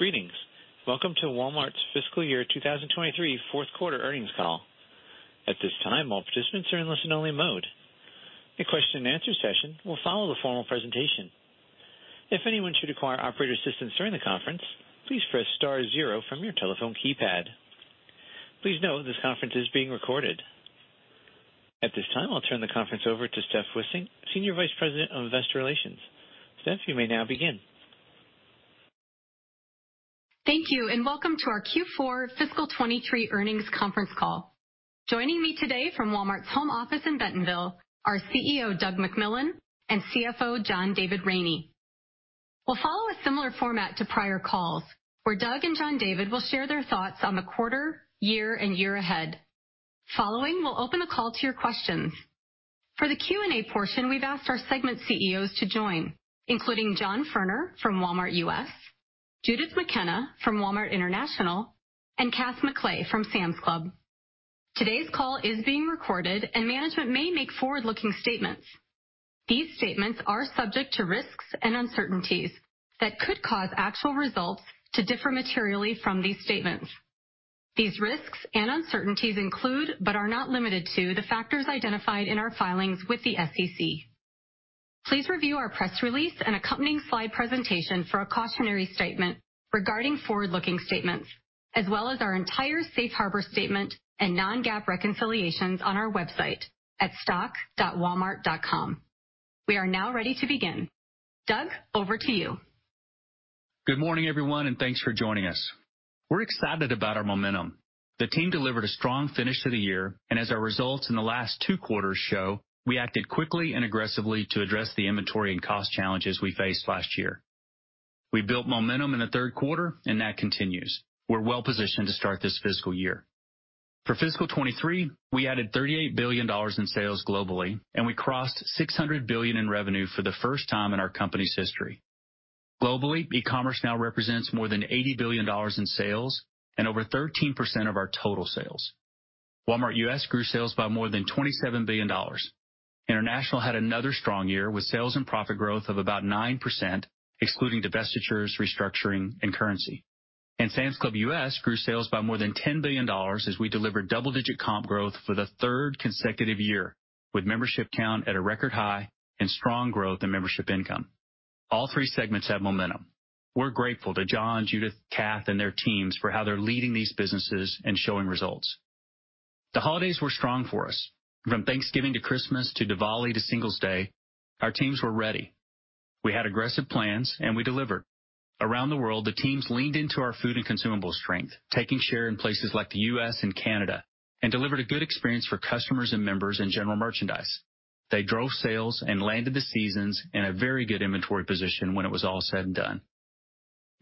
Greetings. Welcome to Walmart's Fiscal Year 2023 Fourth Quarter Earnings Call. At this time, all participants are in listen-only mode. A question and answer session will follow the formal presentation. If anyone should require operator assistance during the conference, please press star zero from your telephone keypad. Please note this conference is being recorded. At this time, I'll turn the conference over to Steph Wissink, Senior Vice President of Investor Relations. Steph, you may now begin. Welcome to our Q4 fiscal 2023 earnings conference call. Joining me today from Walmart's home office in Bentonville, are CEO Doug McMillon and CFO John David Rainey. We'll follow a similar format to prior calls, where Doug and John David will share their thoughts on the quarter, year, and year ahead. Following, we'll open the call to your questions. For the Q&A portion, we've asked our segment CEOs to join, including John Furner from Walmart U.S., Judith McKenna from Walmart International, and Kath McLay from Sam's Club. Today's call is being recorded. Management may make forward-looking statements. These statements are subject to risks and uncertainties that could cause actual results to differ materially from these statements. These risks and uncertainties include, but are not limited to, the factors identified in our filings with the SEC. Please review our press release and accompanying slide presentation for a cautionary statement regarding forward-looking statements as well as our entire safe harbor statement and non-GAAP reconciliations on our website at stock.walmart.com. We are now ready to begin. Doug, over to you. Good morning, everyone, thanks for joining us. We're excited about our momentum. The team delivered a strong finish to the year, as our results in the last two quarters show, we acted quickly and aggressively to address the inventory and cost challenges we faced last year. We built momentum in the third quarter that continues. We're well-positioned to start this fiscal year. For fiscal 2023, we added $38 billion in sales globally, we crossed $600 billion in revenue for the first time in our company's history. Globally, e-commerce now represents more than $80 billion in sales and over 13% of our total sales. Walmart U.S. grew sales by more than $27 billion. International had another strong year with sales and profit growth of about 9%, excluding divestitures, restructuring, and currency. Sam's Club U.S. grew sales by more than $10 billion as we delivered double-digit comp growth for the third consecutive year, with membership count at a record high and strong growth in membership income. All three segments have momentum. We're grateful to John, Judith, Kath, and their teams for how they're leading these businesses and showing results. The holidays were strong for us. From Thanksgiving to Christmas to Diwali to Singles' Day, our teams were ready. We had aggressive plans, and we delivered. Around the world, the teams leaned into our food and consumables strength, taking share in places like the U.S. and Canada, and delivered a good experience for customers and members in general merchandise. They drove sales and landed the seasons in a very good inventory position when it was all said and done.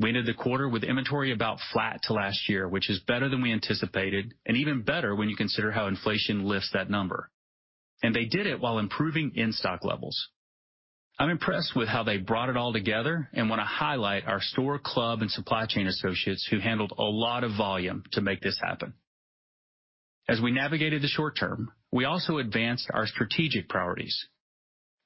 We ended the quarter with inventory about flat to last year, which is better than we anticipated and even better when you consider how inflation lifts that number. They did it while improving in-stock levels. I'm impressed with how they brought it all together and want to highlight our store, Club, and supply chain associates who handled a lot of volume to make this happen. As we navigated the short term, we also advanced our strategic priorities.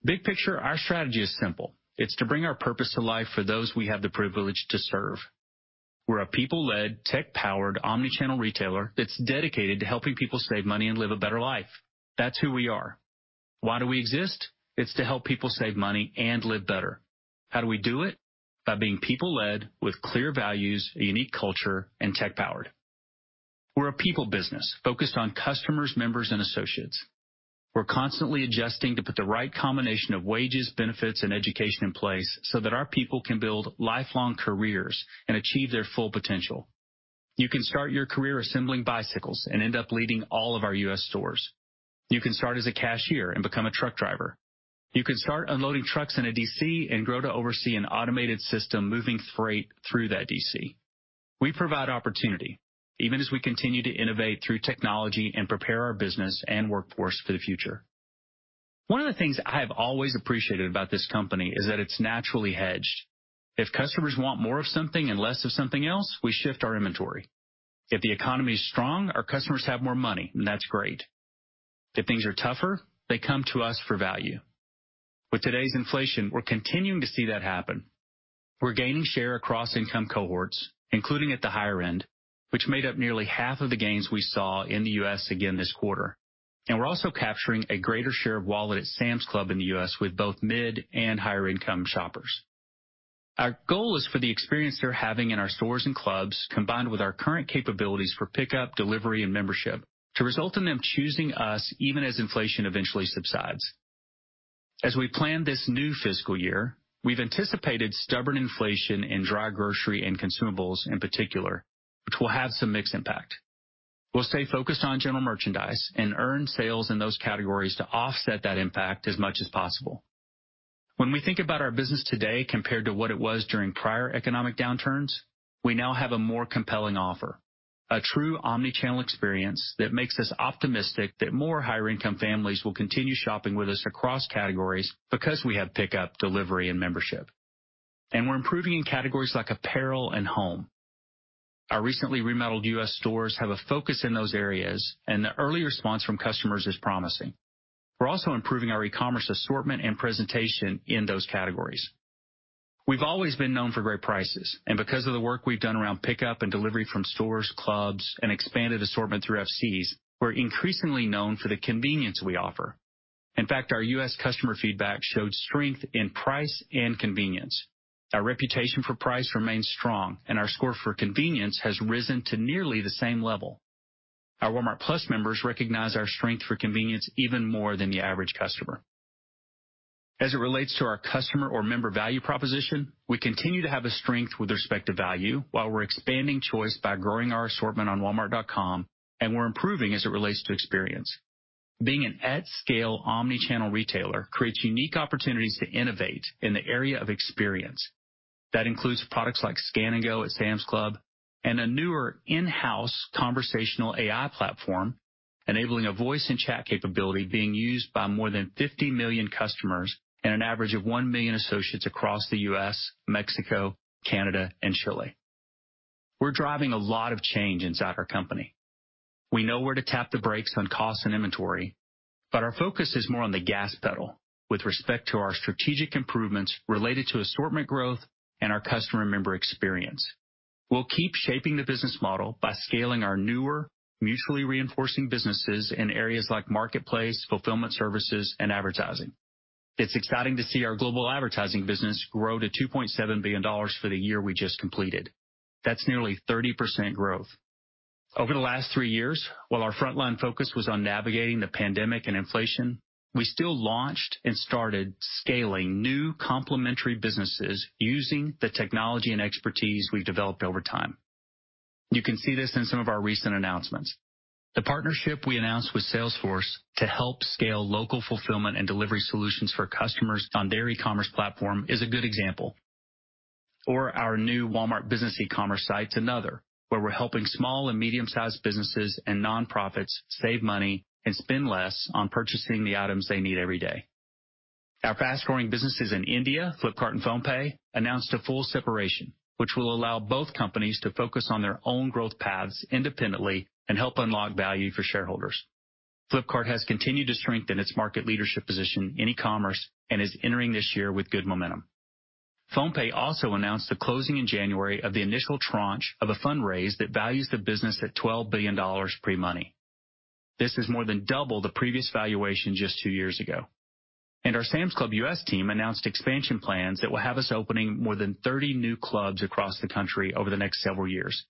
Big picture, our strategy is simple. It's to bring our purpose to life for those we have the privilege to serve. We're a people-led, tech-powered, omnichannel retailer that's dedicated to helping people save money and live a better life. That's who we are. Why do we exist? It's to help people save money and live better. How do we do it? By being people-led with clear values, a unique culture, and tech-powered. We're a people business focused on customers, members, and associates. We're constantly adjusting to put the right combination of wages, benefits, and education in place so that our people can build lifelong careers and achieve their full potential. You can start your career assembling bicycles and end up leading all of our U.S. stores. You can start as a cashier and become a truck driver. You can start unloading trucks in a DC and grow to oversee an automated system moving freight through that DC. We provide opportunity even as we continue to innovate through technology and prepare our business and workforce for the future. One of the things I have always appreciated about this company is that it's naturally hedged. If customers want more of something and less of something else, we shift our inventory. If the economy is strong, our customers have more money, and that's great. If things are tougher, they come to us for value. With today's inflation, we're continuing to see that happen. We're gaining share across income cohorts, including at the higher end, which made up nearly half of the gains we saw in the U.S. again this quarter. We're also capturing a greater share of wallet at Sam's Club in the U.S. with both mid and higher income shoppers. Our goal is for the experience they're having in our stores and clubs, combined with our current capabilities for pickup, delivery, and membership, to result in them choosing us even as inflation eventually subsides. As we plan this new fiscal year, we've anticipated stubborn inflation in dry grocery and consumables in particular, which will have some mixed impact. We'll stay focused on general merchandise and earn sales in those categories to offset that impact as much as possible. When we think about our business today compared to what it was during prior economic downturns, we now have a more compelling offer, a true omnichannel experience that makes us optimistic that more higher income families will continue shopping with us across categories because we have pickup, delivery, and membership. We're improving in categories like apparel and home. Our recently remodeled U.S. stores have a focus in those areas, and the early response from customers is promising. We're also improving our e-commerce assortment and presentation in those categories. We've always been known for great prices, and because of the work we've done around pickup and delivery from stores, clubs, and expanded assortment through FCs, we're increasingly known for the convenience we offer. In fact, our U.S. customer feedback showed strength in price and convenience. Our reputation for price remains strong, and our score for convenience has risen to nearly the same level. Our Walmart+ members recognize our strength for convenience even more than the average customer. As it relates to our customer or member value proposition, we continue to have a strength with respect to value while we're expanding choice by growing our assortment on walmart.com and we're improving as it relates to experience. Being an at-scale omnichannel retailer creates unique opportunities to innovate in the area of experience. That includes products like Scan & Go at Sam's Club and a newer in-house conversational AI platform, enabling a voice and chat capability being used by more than 50 million customers and an average of 1 million associates across the U.S., Mexico, Canada, and Chile. We're driving a lot of change inside our company. We know where to tap the brakes on costs and inventory, but our focus is more on the gas pedal with respect to our strategic improvements related to assortment growth and our customer member experience. We'll keep shaping the business model by scaling our newer, mutually reinforcing businesses in areas like marketplace, fulfillment services, and advertising. It's exciting to see our global advertising business grow to $2.7 billion for the year we just completed. That's nearly 30% growth. Over the last 3 years, while our frontline focus was on navigating the pandemic and inflation, we still launched and started scaling new complementary businesses using the technology and expertise we've developed over time. You can see this in some of our recent announcements. The partnership we announced with Salesforce to help scale local fulfillment and delivery solutions for customers on their e-commerce platform is a good example. Our new Walmart Business e-commerce site's another, where we're helping small and medium-sized businesses and nonprofits save money and spend less on purchasing the items they need every day. Our fast-growing businesses in India, Flipkart and PhonePe, announced a full separation which will allow both companies to focus on their own growth paths independently and help unlock value for shareholders. Flipkart has continued to strengthen its market leadership position in e-commerce and is entering this year with good momentum. PhonePe also announced the closing in January of the initial tranche of a fundraise that values the business at $12 billion pre-money. This is more than double the previous valuation just two years ago. Our Sam's Club U.S. team announced expansion plans that will have us opening more than 30 new clubs across the country over the next several years.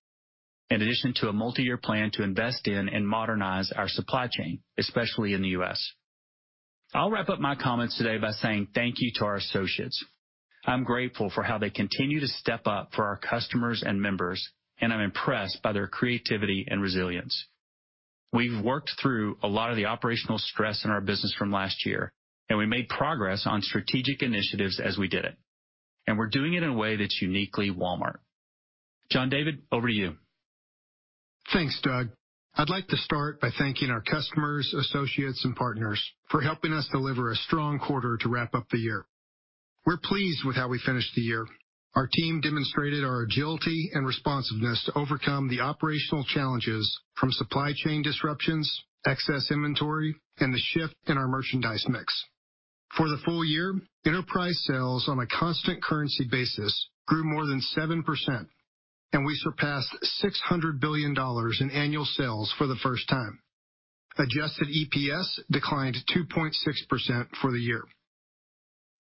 In addition to a multi-year plan to invest in and modernize our supply chain, especially in the U.S. I'll wrap up my comments today by saying thank you to our associates. I'm grateful for how they continue to step up for our customers and members, and I'm impressed by their creativity and resilience. We've worked through a lot of the operational stress in our business from last year, and we made progress on strategic initiatives as we did it, and we're doing it in a way that's uniquely Walmart. John David, over to you. Thanks, Doug. I'd like to start by thanking our customers, associates, and partners for helping us deliver a strong quarter to wrap up the year. We're pleased with how we finished the year. Our team demonstrated our agility and responsiveness to overcome the operational challenges from supply chain disruptions, excess inventory, and the shift in our merchandise mix. For the full year, enterprise sales on a constant currency basis grew more than 7%, and we surpassed $600 billion in annual sales for the first time. Adjusted EPS declined 2.6% for the year.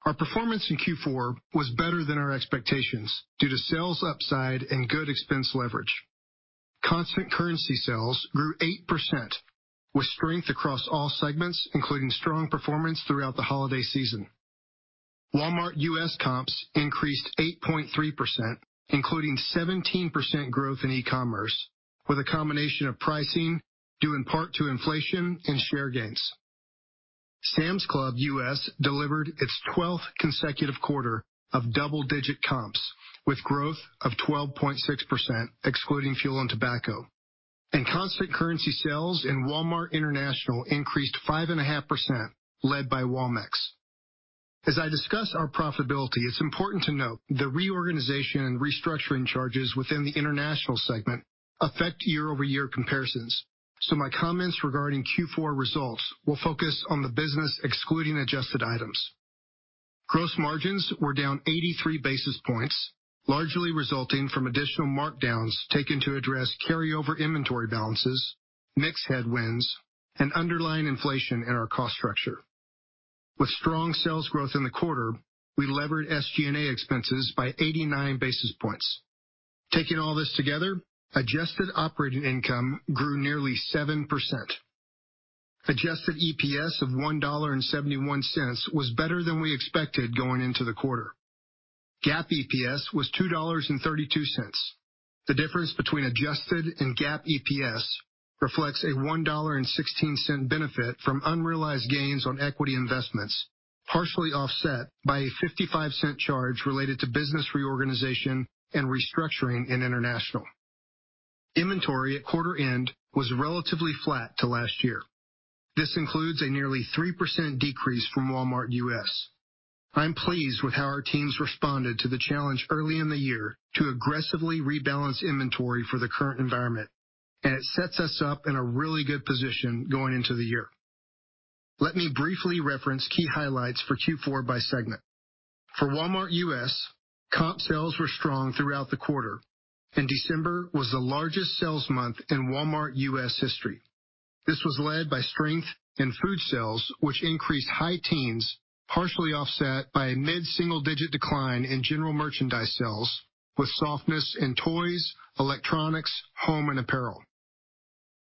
Our performance in Q4 was better than our expectations due to sales upside and good expense leverage. Constant currency sales grew 8% with strength across all segments, including strong performance throughout the holiday season. Walmart U.S. comps increased 8.3%, including 17% growth in e-commerce, with a combination of pricing due in part to inflation and share gains. Sam's Club U.S. delivered its 12th consecutive quarter of double-digit comps with growth of 12.6%, excluding fuel and tobacco. Constant currency sales in Walmart International increased 5.5%, led by Walmex. As I discuss our profitability, it's important to note the reorganization and restructuring charges within the international segment affect year-over-year comparisons. My comments regarding Q4 results will focus on the business excluding adjusted items. Gross margins were down 83 basis points, largely resulting from additional markdowns taken to address carryover inventory balances, mix headwinds, and underlying inflation in our cost structure. With strong sales growth in the quarter, we levered SG&A expenses by 89 basis points. Taking all this together, adjusted operating income grew nearly 7%. Adjusted EPS of $1.71 was better than we expected going into the quarter. GAAP EPS was $2.32. The difference between adjusted and GAAP EPS reflects a $1.16 benefit from unrealized gains on equity investments, partially offset by a $0.55 charge related to business reorganization and restructuring in International. Inventory at quarter end was relatively flat to last year. This includes a nearly 3% decrease from Walmart U.S. I'm pleased with how our teams responded to the challenge early in the year to aggressively rebalance inventory for the current environment, and it sets us up in a really good position going into the year. Let me briefly reference key highlights for Q4 by segment. For Walmart U.S., comp sales were strong throughout the quarter, and December was the largest sales month in Walmart U.S. history. This was led by strength in food sales, which increased high teens, partially offset by a mid-single-digit decline in general merchandise sales, with softness in toys, electronics, home, and apparel.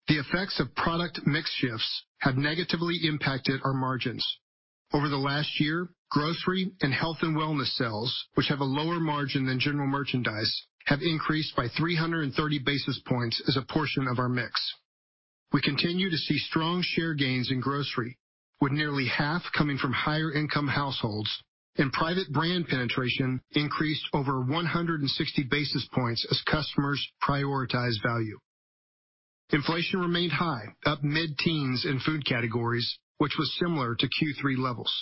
The effects of product mix shifts have negatively impacted our margins. Over the last year, grocery and health and wellness sales, which have a lower margin than general merchandise, have increased by 330 basis points as a portion of our mix. We continue to see strong share gains in grocery, with nearly half coming from higher income households, and private brand penetration increased over 160 basis points as customers prioritize value. Inflation remained high, up mid-teens in food categories, which was similar to Q3 levels.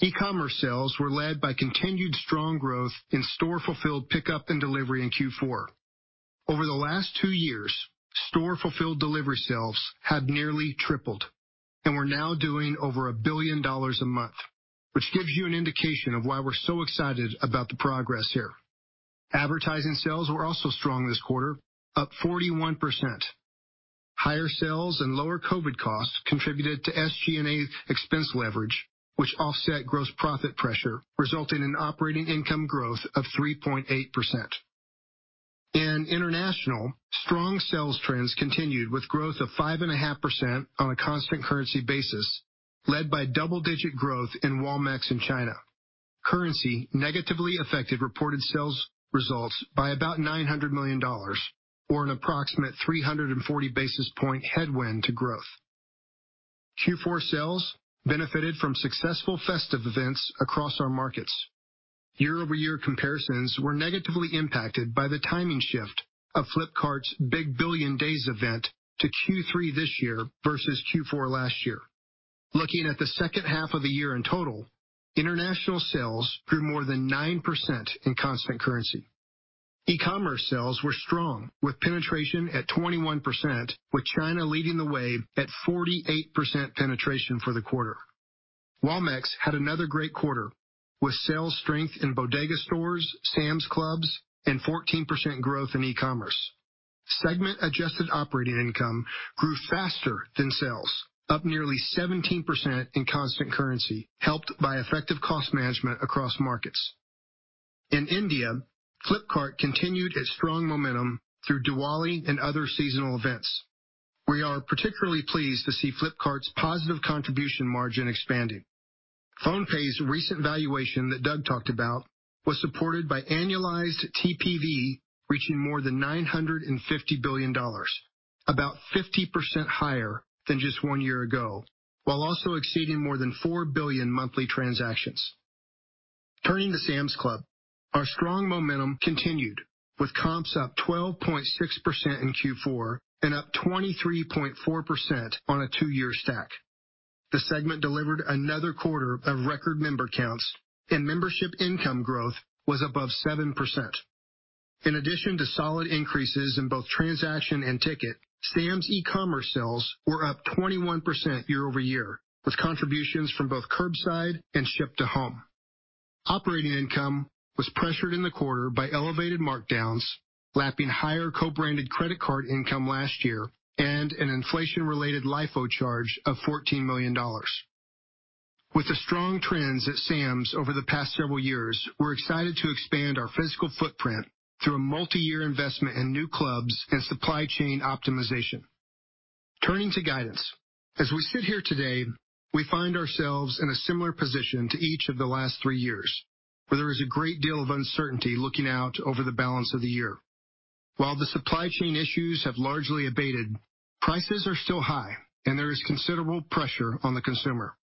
E-commerce sales were led by continued strong growth in store-fulfilled pickup and delivery in Q4. Over the last 2 years, store-fulfilled delivery sales have nearly tripled and we're now doing over $1 billion a month, which gives you an indication of why we're so excited about the progress here. Advertising sales were also strong this quarter, up 41%. Higher sales and lower COVID costs contributed to SG&A expense leverage, which offset gross profit pressure, resulting in operating income growth of 3.8%. In international, strong sales trends continued with growth of 5.5% on a constant currency basis, led by double-digit growth in Walmex in China. Currency negatively affected reported sales results by about $900 million or an approximate 340 basis point headwind to growth. Q4 sales benefited from successful festive events across our markets. Year-over-year comparisons were negatively impacted by the timing shift of Flipkart's Big Billion Days event to Q3 this year versus Q4 last year. Looking at the second half of the year in total, international sales grew more than 9% in constant currency. E-commerce sales were strong with penetration at 21%, with China leading the way at 48% penetration for the quarter. Walmex had another great quarter with sales strength in Bodega stores, Sam's Clubs, and 14% growth in e-commerce. Segment-adjusted operating income grew faster than sales, up nearly 17% in constant currency, helped by effective cost management across markets. In India, Flipkart continued its strong momentum through Diwali and other seasonal events. We are particularly pleased to see Flipkart's positive contribution margin expanding. PhonePe's recent valuation that Doug talked about was supported by annualized TPV reaching more than $950 billion, about 50% higher than just 1 year ago, while also exceeding more than $4 billion monthly transactions. Turning to Sam's Club, our strong momentum continued with comps up 12.6% in Q4 and up 23.4% on a two-year stack. The segment delivered another quarter of record member counts and membership income growth was above 7%. In addition to solid increases in both transaction and ticket, Sam's e-commerce sales were up 21% year-over-year with contributions from both curbside and ship-to-home. Operating income was pressured in the quarter by elevated markdowns, lapping higher co-branded credit card income last year, and an inflation-related LIFO charge of $14 million. With the strong trends at Sam's over the past several years, we're excited to expand our physical footprint through a multi-year investment in new clubs and supply chain optimization. Turning to guidance. As we sit here today, we find ourselves in a similar position to each of the last three years where there is a great deal of uncertainty looking out over the balance of the year. While the supply chain issues have largely abated, prices are still high and there is considerable pressure on the consumer.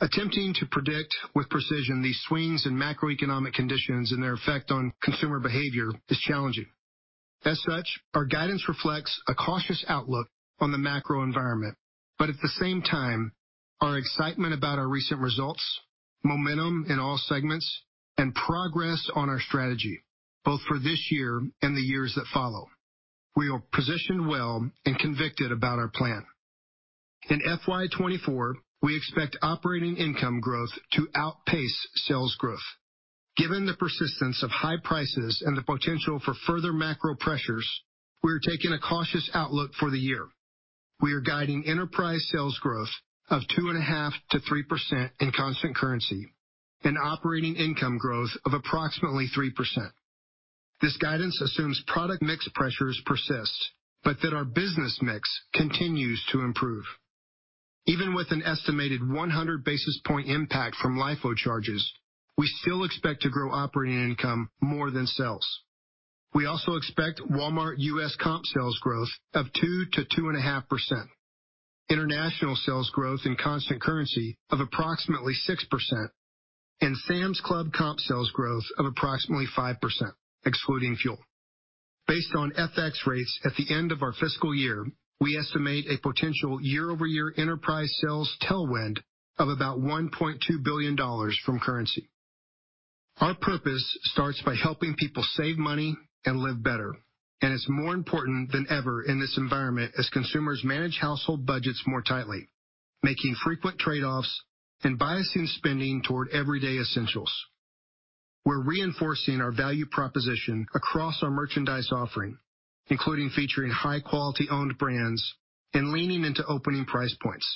Attempting to predict with precision these swings in macroeconomic conditions and their effect on consumer behavior is challenging. As such, our guidance reflects a cautious outlook on the macro environment, but at the same time, our excitement about our recent results, momentum in all segments, and progress on our strategy, both for this year and the years that follow. We are positioned well and convicted about our plan. In FY 2024, we expect operating income growth to outpace sales growth. Given the persistence of high prices and the potential for further macro pressures, we are taking a cautious outlook for the year. We are guiding enterprise sales growth of 2.5%-3% in constant currency and operating income growth of approximately 3%. This guidance assumes product mix pressures persist, but that our business mix continues to improve. Even with an estimated 100 basis point impact from LIFO charges, we still expect to grow operating income more than sales. We also expect Walmart U.S. comp sales growth of 2% to 2.5%, international sales growth in constant currency of approximately 6%, Sam's Club comp sales growth of approximately 5%, excluding fuel. Based on FX rates at the end of our fiscal year, we estimate a potential year-over-year enterprise sales tailwind of about $1.2 billion from currency. Our purpose starts by helping people save money and live better, it's more important than ever in this environment as consumers manage household budgets more tightly, making frequent trade-offs and biasing spending toward everyday essentials. We're reinforcing our value proposition across our merchandise offering, including featuring high-quality owned brands and leaning into opening price points.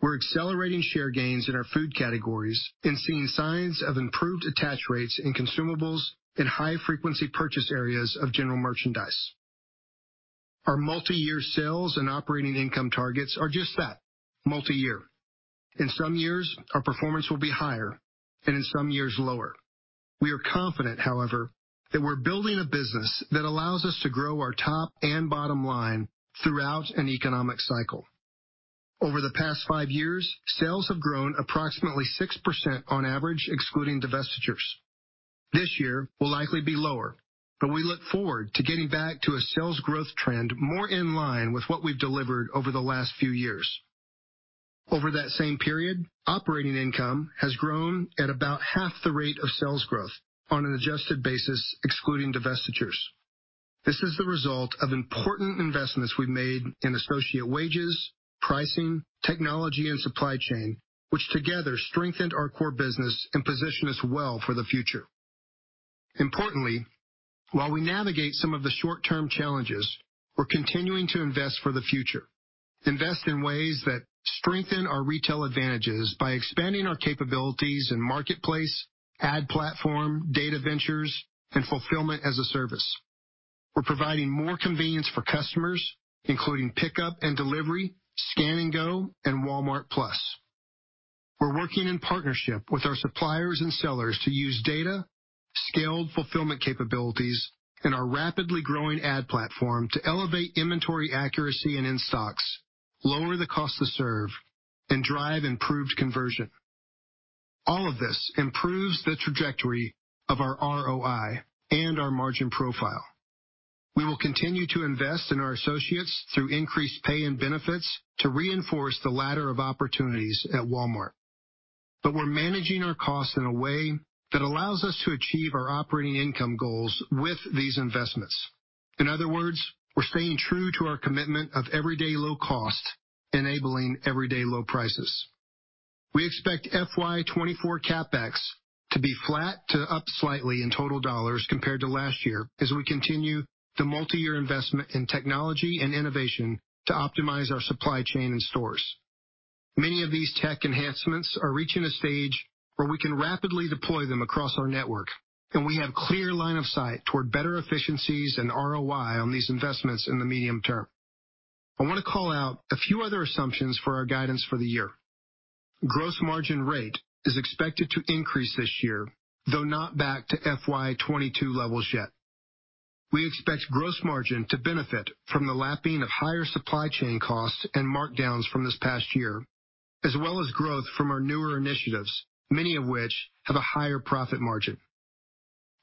We're accelerating share gains in our food categories and seeing signs of improved attach rates in consumables and high-frequency purchase areas of general merchandise. Our multi-year sales and operating income targets are just that, multi-year. In some years, our performance will be higher, and in some years lower. We are confident, however, that we're building a business that allows us to grow our top and bottom line throughout an economic cycle. Over the past 5 years, sales have grown approximately 6% on average, excluding divestitures. This year will likely be lower, but we look forward to getting back to a sales growth trend more in line with what we've delivered over the last few years. Over that same period, operating income has grown at about half the rate of sales growth on an adjusted basis, excluding divestitures. This is the result of important investments we've made in associate wages, pricing, technology, and supply chain, which together strengthened our core business and position us well for the future. Importantly, while we navigate some of the short-term challenges, we're continuing to invest for the future, invest in ways that strengthen our retail advantages by expanding our capabilities in marketplace, ad platform, Data Ventures, and Fulfillment as a Service. We're providing more convenience for customers, including pickup and delivery, Scan & Go, and Walmart+. We're working in partnership with our suppliers and sellers to use data, scaled fulfillment capabilities, and our rapidly growing ad platform to elevate inventory accuracy and in-stocks, lower the cost to serve, and drive improved conversion. All of this improves the trajectory of our ROI and our margin profile. We will continue to invest in our associates through increased pay and benefits to reinforce the ladder of opportunities at Walmart. We're managing our costs in a way that allows us to achieve our operating income goals with these investments. In other words, we're staying true to our commitment of everyday low cost, enabling everyday low prices. We expect FY 2024 CapEx to be flat to up slightly in total dollars compared to last year as we continue the multi-year investment in technology and innovation to optimize our supply chain and stores. Many of these tech enhancements are reaching a stage where we can rapidly deploy them across our network. We have clear line of sight toward better efficiencies and ROI on these investments in the medium term. I want to call out a few other assumptions for our guidance for the year. Gross margin rate is expected to increase this year, though not back to FY 2022 levels yet. We expect gross margin to benefit from the lapping of higher supply chain costs and markdowns from this past year, as well as growth from our newer initiatives, many of which have a higher profit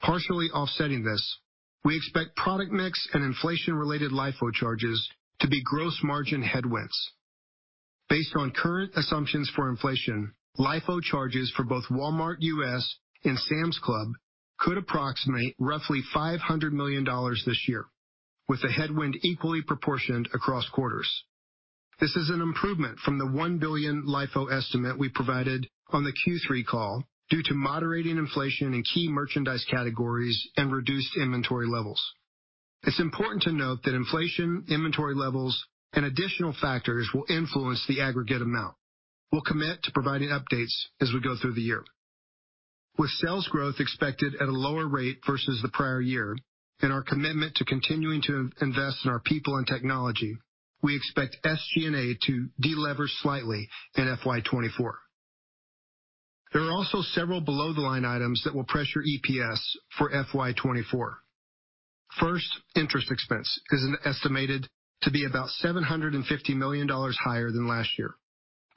margin. Partially offsetting this, we expect product mix and inflation-related LIFO charges to be gross margin headwinds. Based on current assumptions for inflation, LIFO charges for both Walmart U.S. and Sam's Club could approximate roughly $500 million this year, with the headwind equally proportioned across quarters. This is an improvement from the $1 billion LIFO estimate we provided on the Q3 call due to moderating inflation in key merchandise categories and reduced inventory levels. It's important to note that inflation, inventory levels, and additional factors will influence the aggregate amount. We'll commit to providing updates as we go through the year. With sales growth expected at a lower rate versus the prior year and our commitment to continuing to invest in our people and technology, we expect SG&A to delever slightly in FY 2024. There are also several below-the-line items that will pressure EPS for FY 2024. First, interest expense is estimated to be about $750 million higher than last year.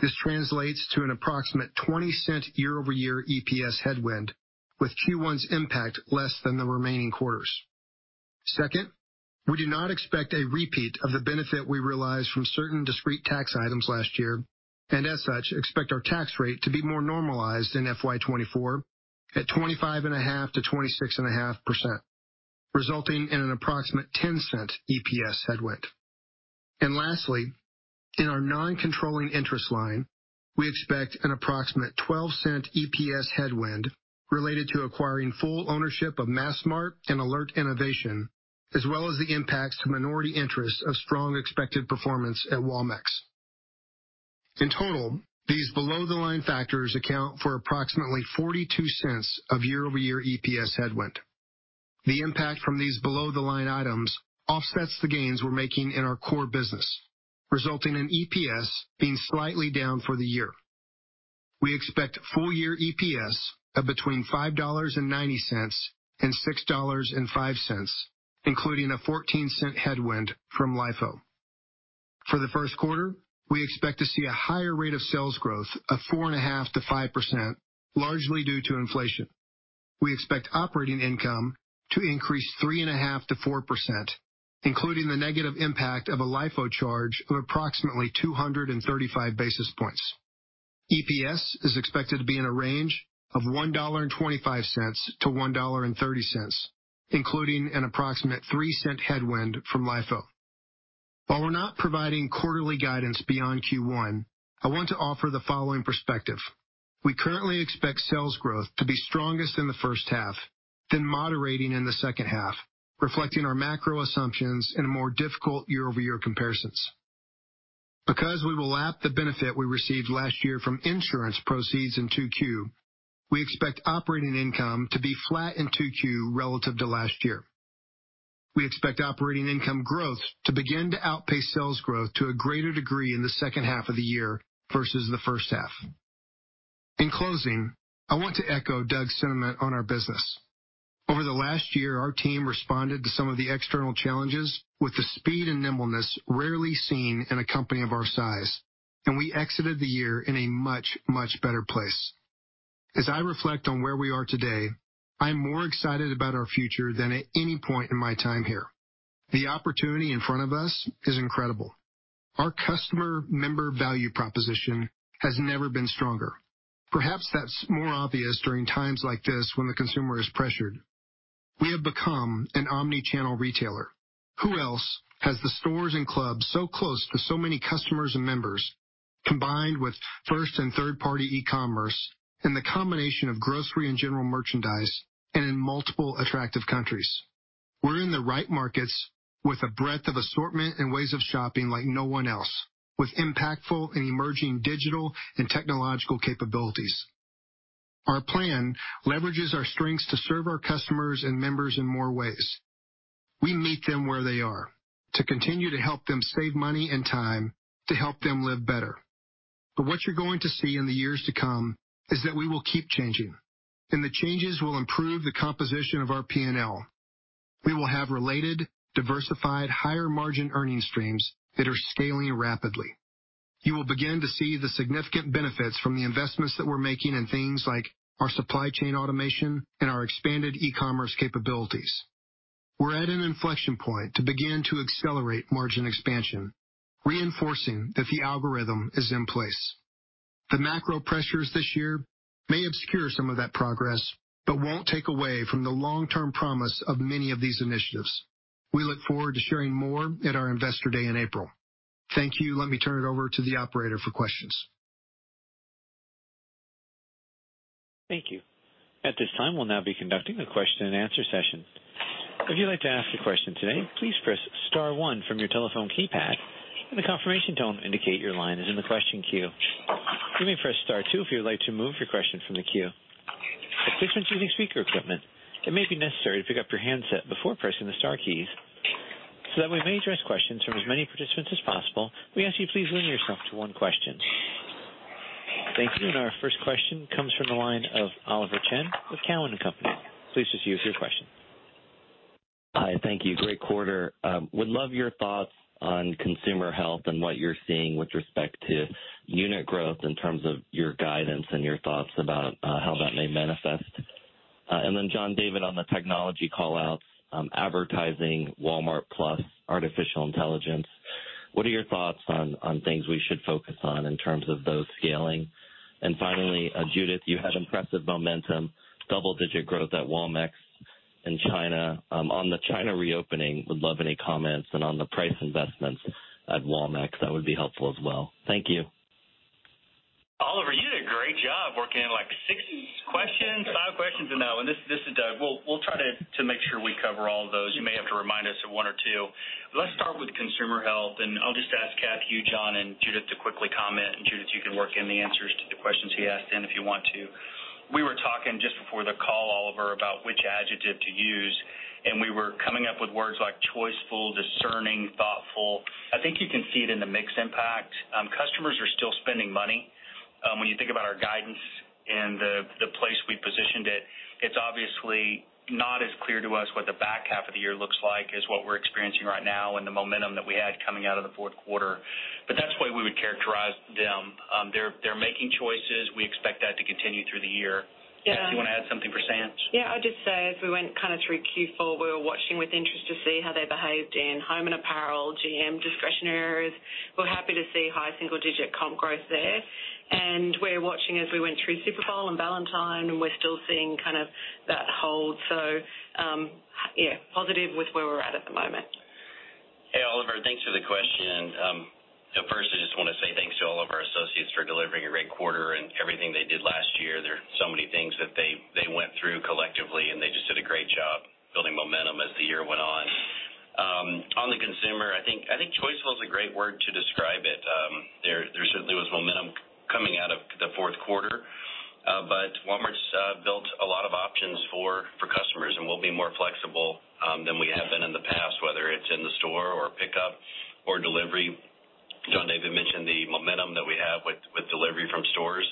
This translates to an approximate $0.20 year-over-year EPS headwind, with Q one's impact less than the remaining quarters. Second, we do not expect a repeat of the benefit we realized from certain discrete tax items last year, and as such, expect our tax rate to be more normalized in FY 2024 at 25.5%-26.5%, resulting in an approximate $0.10 EPS headwind. Lastly, in our non-controlling interest line, we expect an approximate $0.12 EPS headwind related to acquiring full ownership of Massmart and Alert Innovation, as well as the impacts to minority interest of strong expected performance at Walmex. In total, these below the line factors account for approximately $0.42 of year-over-year EPS headwind. The impact from these below the line items offsets the gains we're making in our core business, resulting in EPS being slightly down for the year. We expect full year EPS of between $5.90 and $6.05, including a $0.14 headwind from LIFO. For the first quarter, we expect to see a higher rate of sales growth of 4.5%-5%, largely due to inflation. We expect operating income to increase 3.5%-4%, including the negative impact of a LIFO charge of approximately 235 basis points. EPS is expected to be in a range of $1.25-$1.30, including an approximate $0.03 headwind from LIFO. While we're not providing quarterly guidance beyond Q1, I want to offer the following perspective. We currently expect sales growth to be strongest in the first half, then moderating in the second half, reflecting our macro assumptions in more difficult year-over-year comparisons. Because we will lap the benefit we received last year from insurance proceeds in 2Q, we expect operating income to be flat in 2Q relative to last year. We expect operating income growth to begin to outpace sales growth to a greater degree in the second half of the year versus the first half. In closing, I want to echo Doug's sentiment on our business. Over the last year, our team responded to some of the external challenges with the speed and nimbleness rarely seen in a company of our size. We exited the year in a much, much better place. As I reflect on where we are today, I'm more excited about our future than at any point in my time here. The opportunity in front of us is incredible. Our customer member value proposition has never been stronger. Perhaps that's more obvious during times like this when the consumer is pressured. We have become an omni-channel retailer. Who else has the stores and clubs so close to so many customers and members, combined with first and third-party e-commerce and the combination of grocery and general merchandise and in multiple attractive countries? We're in the right markets with a breadth of assortment and ways of shopping like no one else, with impactful and emerging digital and technological capabilities. Our plan leverages our strengths to serve our customers and members in more ways. We meet them where they are to continue to help them save money and time to help them live better. What you're going to see in the years to come is that we will keep changing, and the changes will improve the composition of our P&L. We will have related, diversified, higher margin earning streams that are scaling rapidly. You will begin to see the significant benefits from the investments that we're making in things like our supply chain automation and our expanded e-commerce capabilities. We're at an inflection point to begin to accelerate margin expansion, reinforcing that the algorithm is in place. The macro pressures this year may obscure some of that progress, but won't take away from the long-term promise of many of these initiatives. We look forward to sharing more at our Investor Day in April. Thank you. Let me turn it over to the operator for questions. Thank you. At this time, we'll now be conducting a question-and-answer session. If you'd like to ask a question today, please press star one from your telephone keypad, and a confirmation tone indicate your line is in the question queue. You may press star two if you would like to move your question from the queue. Participants using speaker equipment, it may be necessary to pick up your handset before pressing the star keys. That we may address questions from as many participants as possible, we ask you please limit yourself to one question. Thank you. Our first question comes from the line of Oliver Chen with Cowen and Company. Please just use your question. Hi. Thank you. Great quarter. Would love your thoughts on consumer health and what you're seeing with respect to unit growth in terms of your guidance and your thoughts about how that may manifest. John David, on the technology call-outs, advertising, Walmart+, artificial intelligence, what are your thoughts on things we should focus on in terms of those scaling? Finally, Judith, you had impressive momentum, double-digit growth at Walmex in China. On the China reopening, would love any comments, and on the price investments at Walmex, that would be helpful as well. Thank you. Oliver, you did a great job working in, like, 60 questions, five questions in that 1. This is Doug. We'll try to make sure we cover all of those. You may have to remind us of one or two. Let's start with consumer health. I'll just ask Kath, you, John, and Judith to quickly comment. Judith, you can work in the answers to the questions he asked in if you want to. We were talking just before the call, Oliver, about which adjective to use. We were coming up with words like choiceful, discerning, thoughtful. I think you can see it in the mix impact. Customers are still spending money. When you think about our guidance and the place we positioned it's obviously not as clear to us what the back half of the year looks like as what we're experiencing right now and the momentum that we had coming out of the fourth quarter. That's the way we would characterize them. They're making choices. We expect that to continue through the year. Kath, do you wanna add something for Sam's? Yeah. I'd just say as we went kind of through Q4, we were watching with interest to see how they behaved in home and apparel, GM discretionary. We're happy to see high single-digit comp growth there. We're watching as we went through Super Bowl and Valentine's Day, and we're still seeing kind of that hold. Yeah, positive with where we're at at the moment. Hey, Oliver. Thanks for the question. First, I just wanna say thanks to all of our associates for delivering a great quarter and everything they did last year. There are so many things that they went through collectively, and they just did a great job building momentum as the year went on. On the consumer, I think choiceful is a great word to describe it. There certainly was momentum coming out of the fourth quarter. Walmart's built a lot of options for customers, and we'll be more flexible than we have been in the past, whether it's in the store or pickup or delivery. John David mentioned the momentum that we have with delivery from stores.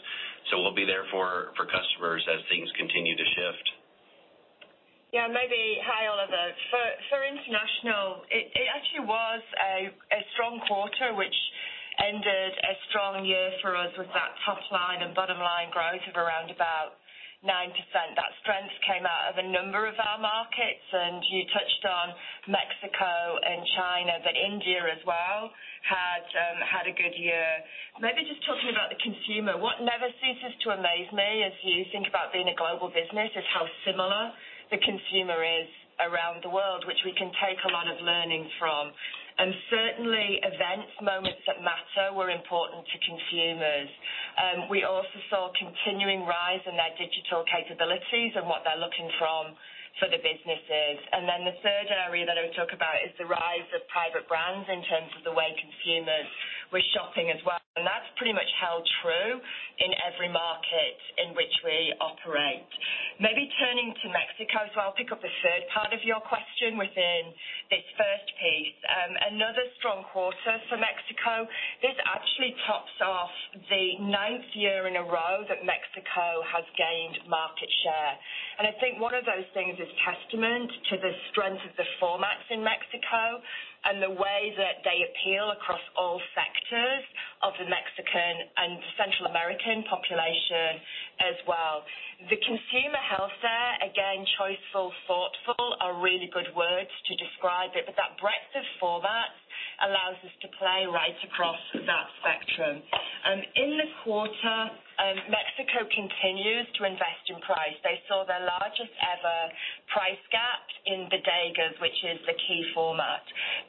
We'll be there for customers as things continue to shift. Yeah, maybe. Hi, Oliver. For international, it actually was a strong quarter, which ended a strong year for us with that top line and bottom line growth of around about 9%. That strength came out of a number of our markets, and you touched on Mexico and China, but India as well had a good year. Maybe just talking about the consumer. What never ceases to amaze me as you think about being a global business is how similar the consumer is around the world, which we can take a lot of learning from. Certainly events, moments that matter were important to consumers. We also saw continuing rise in their digital capabilities and what they're looking from for the businesses. The third area that I would talk about is the rise of private brands in terms of the way consumers were shopping as well. That's pretty much held true in every market in which we operate. Maybe turning to Mexico as well, pick up the third part of your question within this first piece. Another strong quarter for Mexico. This actually tops off the ninth year in a row that Mexico has gained market share. I think one of those things is testament to the strength of the formats in Mexico and the way that they appeal across all sectors of the Mexican and Central American population as well. The consumer health there, again, choiceful, thoughtful are really good words to describe it, but that breadth of format allows us to play right across that spectrum. In the quarter, Mexico continues to invest in price. They saw their largest ever price gap in Bodegas, which is the key format.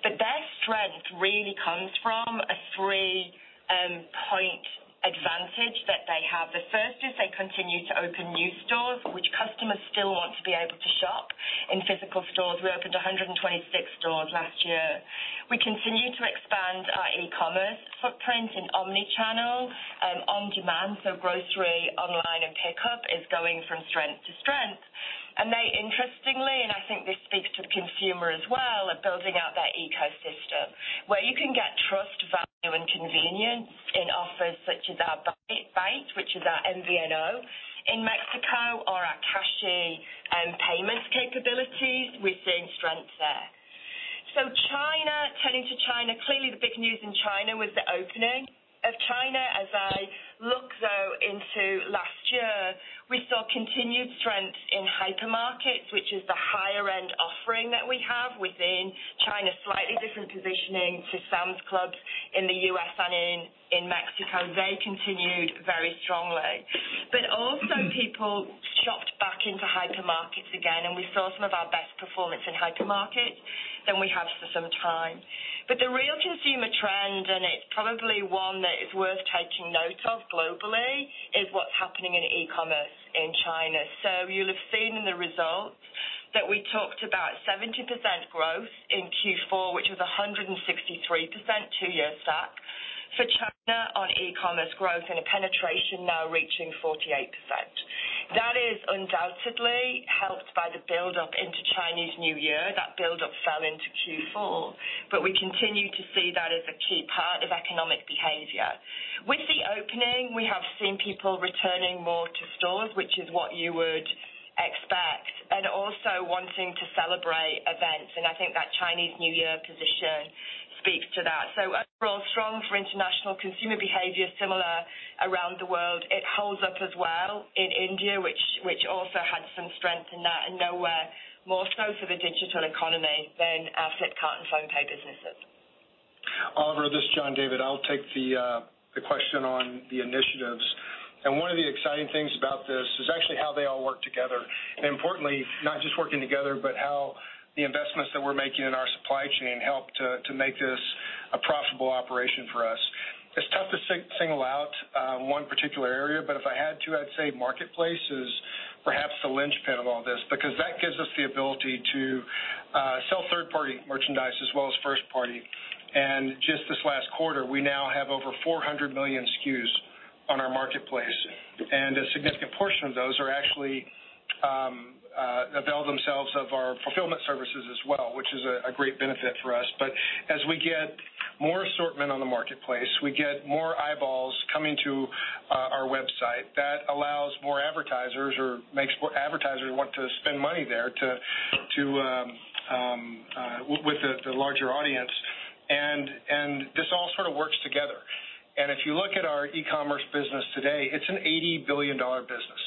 Their strength really comes from a 3-point advantage that they have. The first is they continue to open new stores, which customers still want to be able to shop in physical stores. We opened 126 stores last year. We continue to expand our e-commerce footprint in omni-channel, on-demand, so grocery online and pickup is going from strength to strength. They interestingly, and I think this speaks to the consumer as well, are building out their ecosystem. Where you can get trust, value and convenience in offers such as our Bait, which is our MVNO in Mexico or our Cashi payments capabilities, we're seeing strength there. China, turning to China, clearly the big news in China was the opening of China. As I look though into last year, we saw continued strength in hypermarkets, which is the higher end offering that we have within China, slightly different positioning to Sam's Clubs in the U.S. and in Mexico. They continued very strongly. Also people shopped back into hypermarkets again, and we saw some of our best performance in hypermarkets than we have for some time. The real consumer trend, and it's probably one that is worth taking note of globally, is what's happening in e-commerce in China. You'll have seen in the results that we talked about 70% growth in Q4, which was a 163% 2-year stack for China on e-commerce growth and a penetration now reaching 48%. That is undoubtedly helped by the buildup into Chinese New Year. That buildup fell into Q4. We continue to see that as a key part of economic behavior. With the opening, we have seen people returning more to stores, which is what you would expect, and also wanting to celebrate events. I think that Chinese New Year position speaks to that. Overall strong for international consumer behavior, similar around the world. It holds up as well in India, which also had some strength in that, and nowhere more so for the digital economy than our Flipkart and PhonePe businesses. Oliver, this is John David. I'll take the question on the initiatives. One of the exciting things about this is actually how they all work together, and importantly, not just working together, but how the investments that we're making in our supply chain help to make this a profitable operation for us. It's tough to single out one particular area, but if I had to, I'd say Marketplace is perhaps the linchpin of all this, because that gives us the ability to sell third-party merchandise as well as first party. Just this last quarter, we now have over 400 million SKUs on our Marketplace, and a significant portion of those are actually avail themselves of our Fulfillment Services as well, which is a great benefit for us. As we get more assortment on the marketplace, we get more eyeballs coming to our website. That allows more advertisers or makes advertisers want to spend money there to with the larger audience. This all sort of works together. If you look at our e-commerce business today, it's an $80 billion business,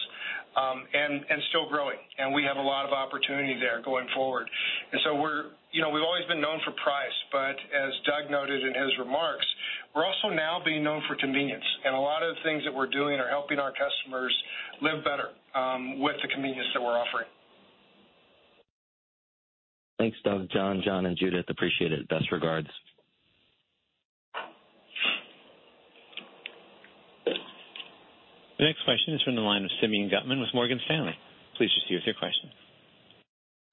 and still growing, and we have a lot of opportunity there going forward. You know, we've always been known for price, but as Doug noted in his remarks, we're also now being known for convenience. A lot of the things that we're doing are helping our customers live better with the convenience that we're offering. Thanks, Doug, John, and Judith. Appreciate it. Best regards. The next question is from the line of Simeon Gutman with Morgan Stanley. Please proceed with your question.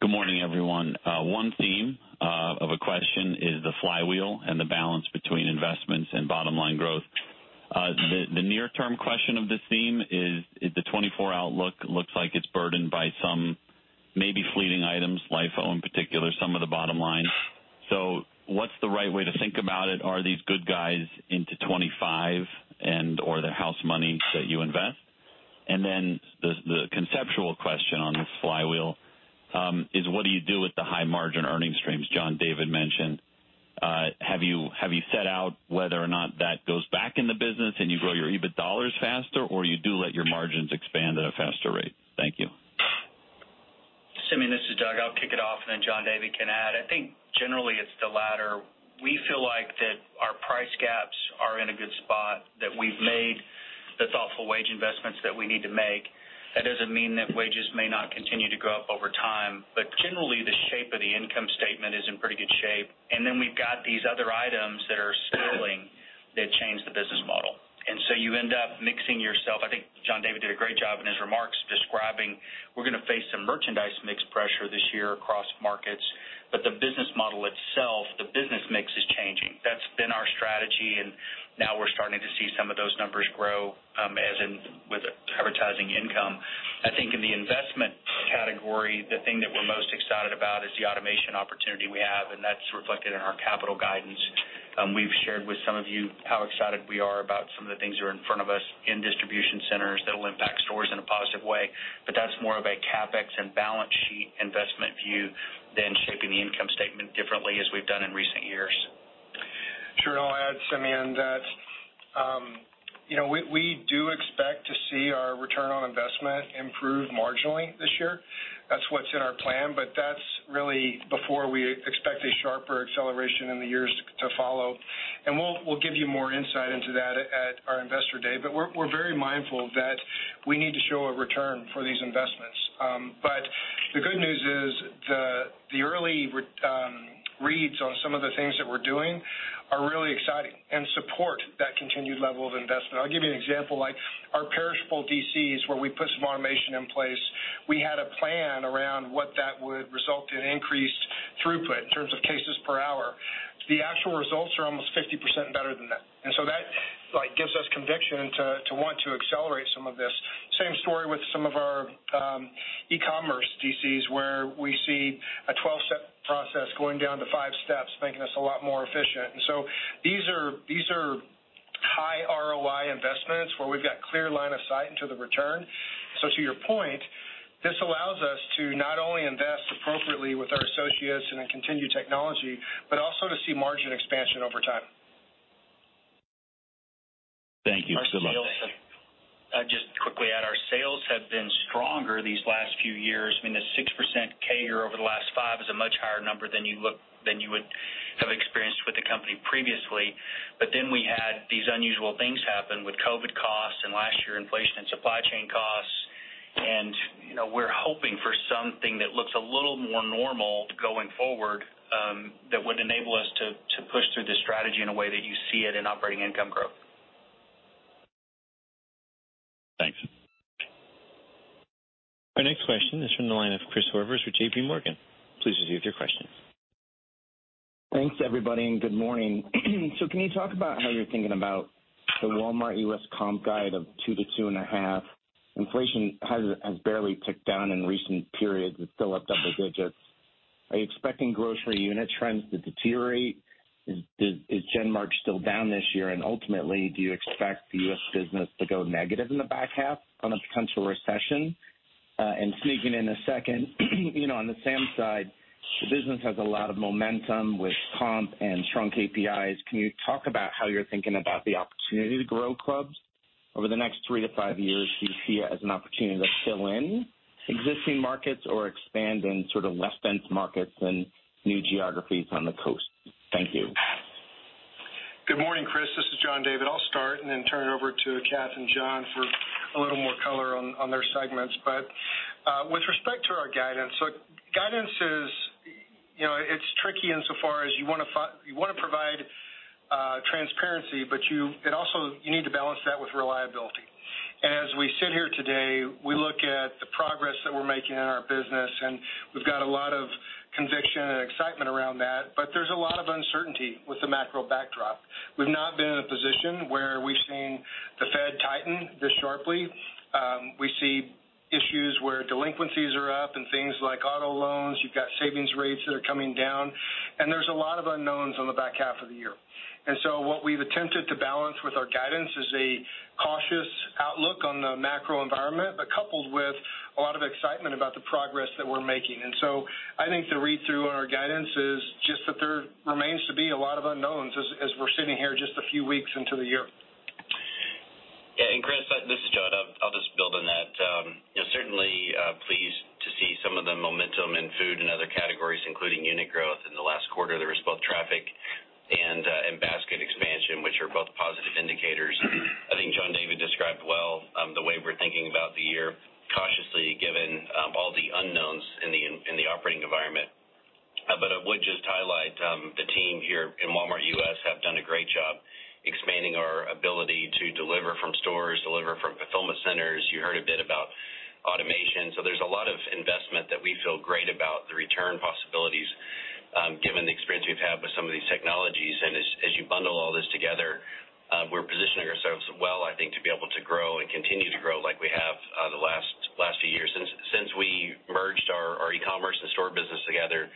Good morning, everyone. One theme of a question is the flywheel and the balance between investments and bottom-line growth. The near-term question of this theme is, the 2024 outlook looks like it's burdened by some maybe fleeting, in particular, some of the bottom line. What's the right way to think about it? Are these good guys into 2025 and or the house money that you invest? The conceptual question on this flywheel is what do you do with the high margin earning streams John David mentioned? Have you set out whether or not that goes back in the business and you grow your EBIT dollars faster or you do let your margins expand at a faster rate? Thank you. Simeon, this is Doug. I'll kick it off and then John David can add. I think generally it's the latter. We feel like that our price gaps are in a good spot, that we've made the thoughtful wage investments that we need to make. That doesn't mean that wages may not continue to go up over time, but generally, the shape of the income statement is in pretty good shape. Then we've got these other items that are scaling that change the business model. So you end up mixing yourself. I think John David did a great job in his remarks describing we're gonna face some merchandise mix pressure this year across markets, but the business model itself, the business mix is changing. That's been our strategy, and now we're starting to see some of those numbers grow as in with advertising income. I think in the investment category, the thing that we're most excited about is the automation opportunity we have. That's reflected in our capital guidance. We've shared with some of you how excited we are about some of the things that are in front of us in distribution centers that will impact stores in a positive way. That's more of a CapEx and balance sheet investment view than shaping the income statement differently as we've done in recent years. Sure. I'll add, Simeon, that, you know, we do expect to see our return on investment improve marginally this year. That's what's in our plan. That's really before we expect a sharper acceleration in the years to follow. We'll give you more insight into that at our Investor Day. We're very mindful that we need to show a return for these investments. The good news is the early reads on some of the things that we're doing are really exciting and support that continued level of investment. I'll give you an example. Like our perishable DCs where we put some automation in place, we had a plan around what that would result in increased throughput in terms of cases per hour. The actual results are almost 50% better than that. That, like, gives us conviction to want to accelerate some of this. Same story with some of our e-commerce DCs, where we see a 12-step process going down to five steps, making us a lot more efficient. These are high ROI investments where we've got clear line of sight into the return. To your point, this allows us to not only invest appropriately with our associates and in continued technology, but also to see margin expansion over time. Thank you. I'll just quickly add, our sales have been stronger these last few years. I mean, the 6% CAGR over the last five years is a much higher number than you would have experienced with the company previously. We had these unusual things happen with COVID costs and last year, inflation and supply chain costs. You know, we're hoping for something that looks a little more normal going forward, that would enable us to push through this strategy in a way that you see it in operating income growth. Thanks. Our next question is from the line of Chris Horvers with JPMorgan. Please proceed with your question. Thanks, everybody, good morning. Can you talk about how you're thinking about the Walmart U.S. comp guide of 2%-2.5%? Inflation has barely ticked down in recent periods. It's still up double digits. Are you expecting grocery unit trends to deteriorate? Is Gen merch still down this year? Ultimately, do you expect the U.S. business to go negative in the back half on a potential recession? Sneaking in a second, you know, on the Sam side, the business has a lot of momentum with comp and strong KPIs. Can you talk about how you're thinking about the opportunity to grow clubs over the next 3-5 years? Do you see it as an opportunity to fill in existing markets or expand in sort of less dense markets and new geographies on the coast? Thank you. Good morning, Chris. This is John David. I'll start and then turn it over to Kath and John for a little more color on their segments. With respect to our guidance is, you know, it's tricky insofar as you wanna provide transparency, you need to balance that with reliability. As we sit here today, we look at the progress that we're making in our business, and we've got a lot of conviction and excitement around that, but there's a lot of uncertainty with the macro backdrop. We've not been in a position where we've seen the Fed tighten this sharply. We see issues where delinquencies are up and things like auto loans. You've got savings rates that are coming down, and there's a lot of unknowns on the back half of the year. What we've attempted to balance with our guidance is a cautious outlook on the macro environment, but coupled with a lot of excitement about the progress that we're making. I think the read-through on our guidance is just that there remains to be a lot of unknowns as we're sitting here just a few weeks into the year. Yeah, Chris, this is John. I'll just build on that. You know, certainly, pleased to see some of the momentum in food and other categories, including unit growth. In the last quarter, there was both traffic and basket expansion, which are both positive indicators. I think John David described well, the way we're thinking about the year cautiously given all the unknowns in the operating environment. I would just highlight, the team here in Walmart U.S. have done a great job expanding our ability to deliver from stores, deliver from Fulfillment Centers. You heard a bit about automation. There's a lot of investment that we feel great about the return possibilities. Given the experience we've had with some of these technologies, and as you bundle all this together, we're positioning ourselves well, I think, to be able to grow and continue to grow like we have, the last few years. Since we merged our e-commerce and store business together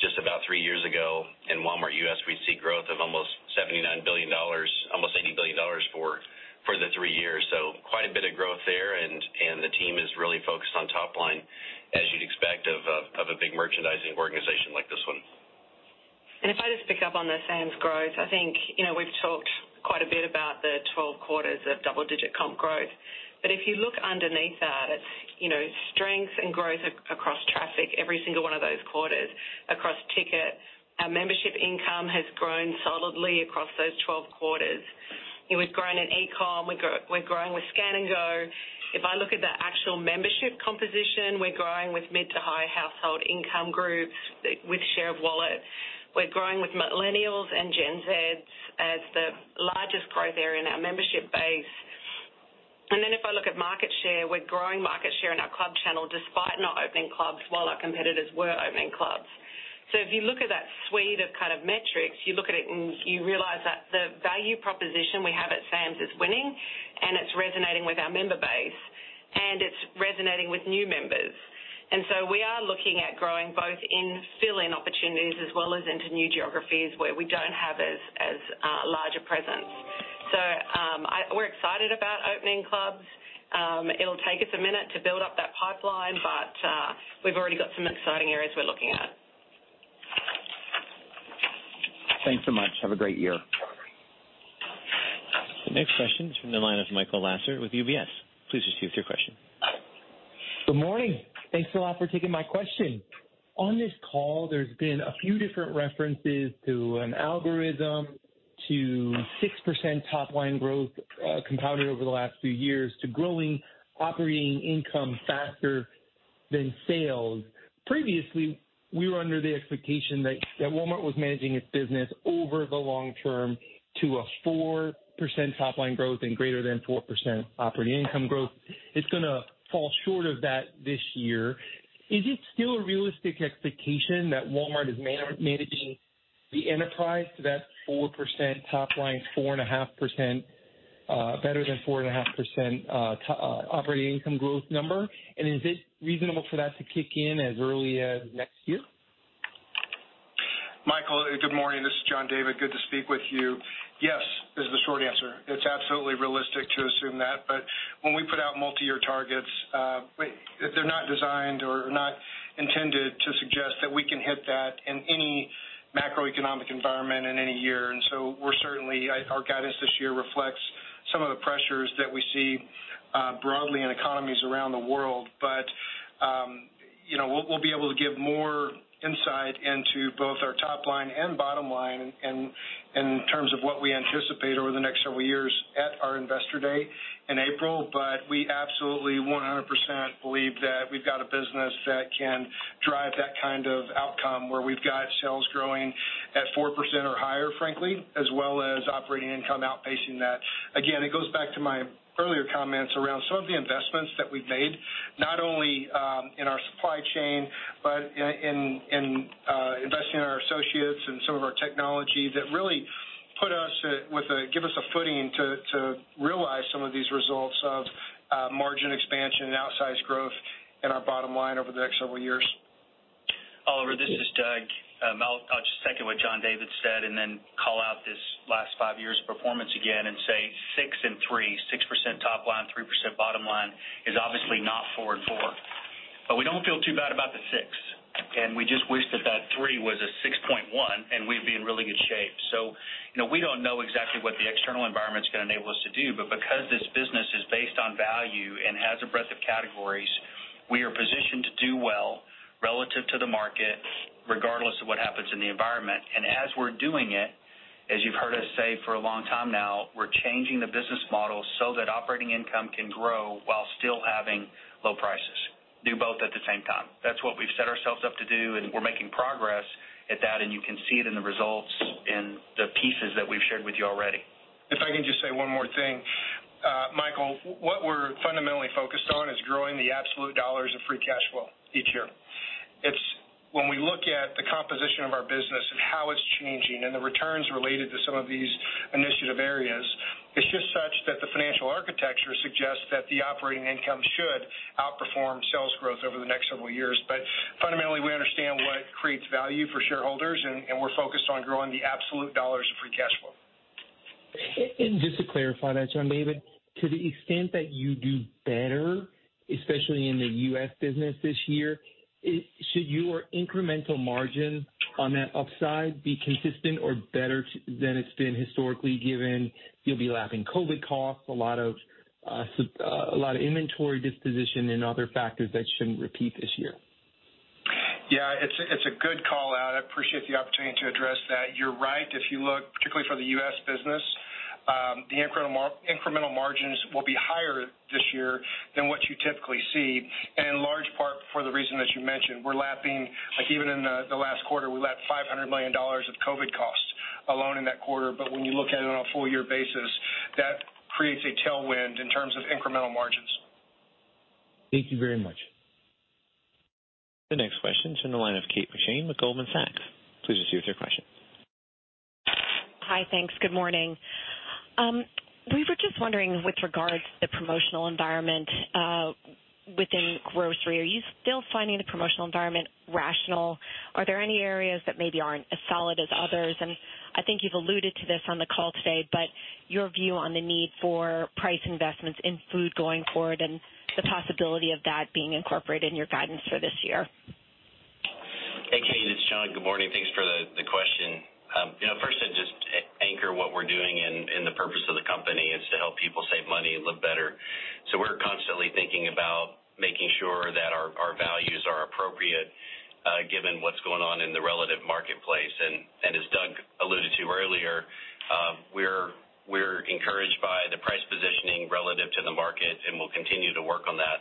just about 3 years ago in Walmart U.S., we see growth of almost $79 billion, almost $80 billion for the 3 years. Quite a bit of growth there and the team is really focused on top line, as you'd expect of a big merchandising organization like this one. If I just pick up on the Sam's growth, I think, you know, we've talked quite a bit about the 12 quarters of double-digit comp growth. If you look underneath that, it's, you know, strength and growth across traffic every single one of those quarters across ticket. Our membership income has grown solidly across those 12 quarters. We've grown in e-com, we're growing with Scan & Go. If I look at the actual membership composition, we're growing with mid to high household income groups with share of wallet. We're growing with millennials and Gen Z as the largest growth area in our membership base. If I look at market share, we're growing market share in our club channel despite not opening clubs while our competitors were opening clubs. If you look at that suite of kind of metrics, you look at it and you realize that the value proposition we have at Sam's is winning and it's resonating with our member base, and it's resonating with new members. We are looking at growing both in fill-in opportunities as well as into new geographies where we don't have as larger presence. We're excited about opening clubs. It'll take us a minute to build up that pipeline, we've already got some exciting areas we're looking at. Thanks so much. Have a great year. The next question is from the line of Michael Lasser with UBS. Please proceed with your question. Good morning. Thanks a lot for taking my question. On this call, there's been a few different references to an algorithm to 6% top line growth, compounded over the last few years to growing operating income faster than sales. Previously, we were under the expectation that Walmart was managing its business over the long term to a 4% top line growth and greater than 4% operating income growth. It's gonna fall short of that this year. Is it still a realistic expectation that Walmart is managing the enterprise to that 4% top line, 4.5%, better than 4.5%, to operating income growth number? Is it reasonable for that to kick in as early as next year? Michael, good morning. This is John David. Good to speak with you. Yes, is the short answer. It's absolutely realistic to assume that. When we put out multi-year targets, they're not designed or not intended to suggest that we can hit that in any macroeconomic environment in any year. Our guidance this year reflects some of the pressures that we see broadly in economies around the world. You know, we'll be able to give more insight into both our top line and bottom line in terms of what we anticipate over the next several years at our Investor Day in April. We absolutely one hundred believe that we've got a business that can drive that kind of outcome, where we've got sales growing at 4% or higher, frankly, as well as operating income outpacing that. It goes back to my earlier comments around some of the investments that we've made, not only in our supply chain, but in investing in our associates and some of our technology that really give us a footing to realize some of these results of margin expansion and outsized growth in our bottom line over the next several years. Oliver, this is Doug. I'll just second what John David said and then call out this last 5 years performance again and say 6 and 3, 6% top line, 3% bottom line is obviously not 4 and 4. We don't feel too bad about the 6. We just wish that that 3 was a 6.1 and we'd be in really good shape. You know, we don't know exactly what the external environment is gonna enable us to do. Because this business is based on value and has a breadth of categories, we are positioned to do well relative to the market, regardless of what happens in the environment. As we're doing it, as you've heard us say for a long time now, we're changing the business model so that operating income can grow while still having low prices. Do both at the same time. That's what we've set ourselves up to do, and we're making progress at that, and you can see it in the results in the pieces that we've shared with you already. If I can just say one more thing. Michael, what we're fundamentally focused on is growing the absolute dollars of free cash flow each year. It's when we look at the composition of our business and how it's changing and the returns related to some of these initiative areas, it's just such that the financial architecture suggests that the operating income should outperform sales growth over the next several years. Fundamentally, we understand what creates value for shareholders, and we're focused on growing the absolute dollars of free cash flow. Just to clarify that, John David, to the extent that you do better, especially in the U.S. business this year, should your incremental margin on that upside be consistent or better than it's been historically, given you'll be lapping COVID costs, a lot of inventory disposition and other factors that shouldn't repeat this year? Yeah, it's a good call out. I appreciate the opportunity to address that. You're right. If you look particularly for the U.S. business, the incremental margins will be higher this year than what you typically see, and in large part for the reason that you mentioned. We're lapping, like even in the last quarter, we lapped $500 million Alone in that quarter, but when you look at it on a full year basis, that creates a tailwind in terms of incremental margins. Thank you very much. The next question is in the line of Kate McShane with Goldman Sachs. Please receive your question. Hi. Thanks. Good morning. We were just wondering with regards to the promotional environment within grocery, are you still finding the promotional environment rational? Are there any areas that maybe aren't as solid as others? I think you've alluded to this on the call today, but your view on the need for price investments in food going forward and the possibility of that being incorporated in your guidance for this year. Hey, Kate, it's John. Good morning. Thanks for the question. You know, first to just anchor what we're doing and the purpose of the company is to help people save money and live better. We're constantly thinking about making sure that our values are appropriate given what's going on in the relative marketplace. As Doug alluded to earlier, we're encouraged by the price positioning relative to the market, and we'll continue to work on that.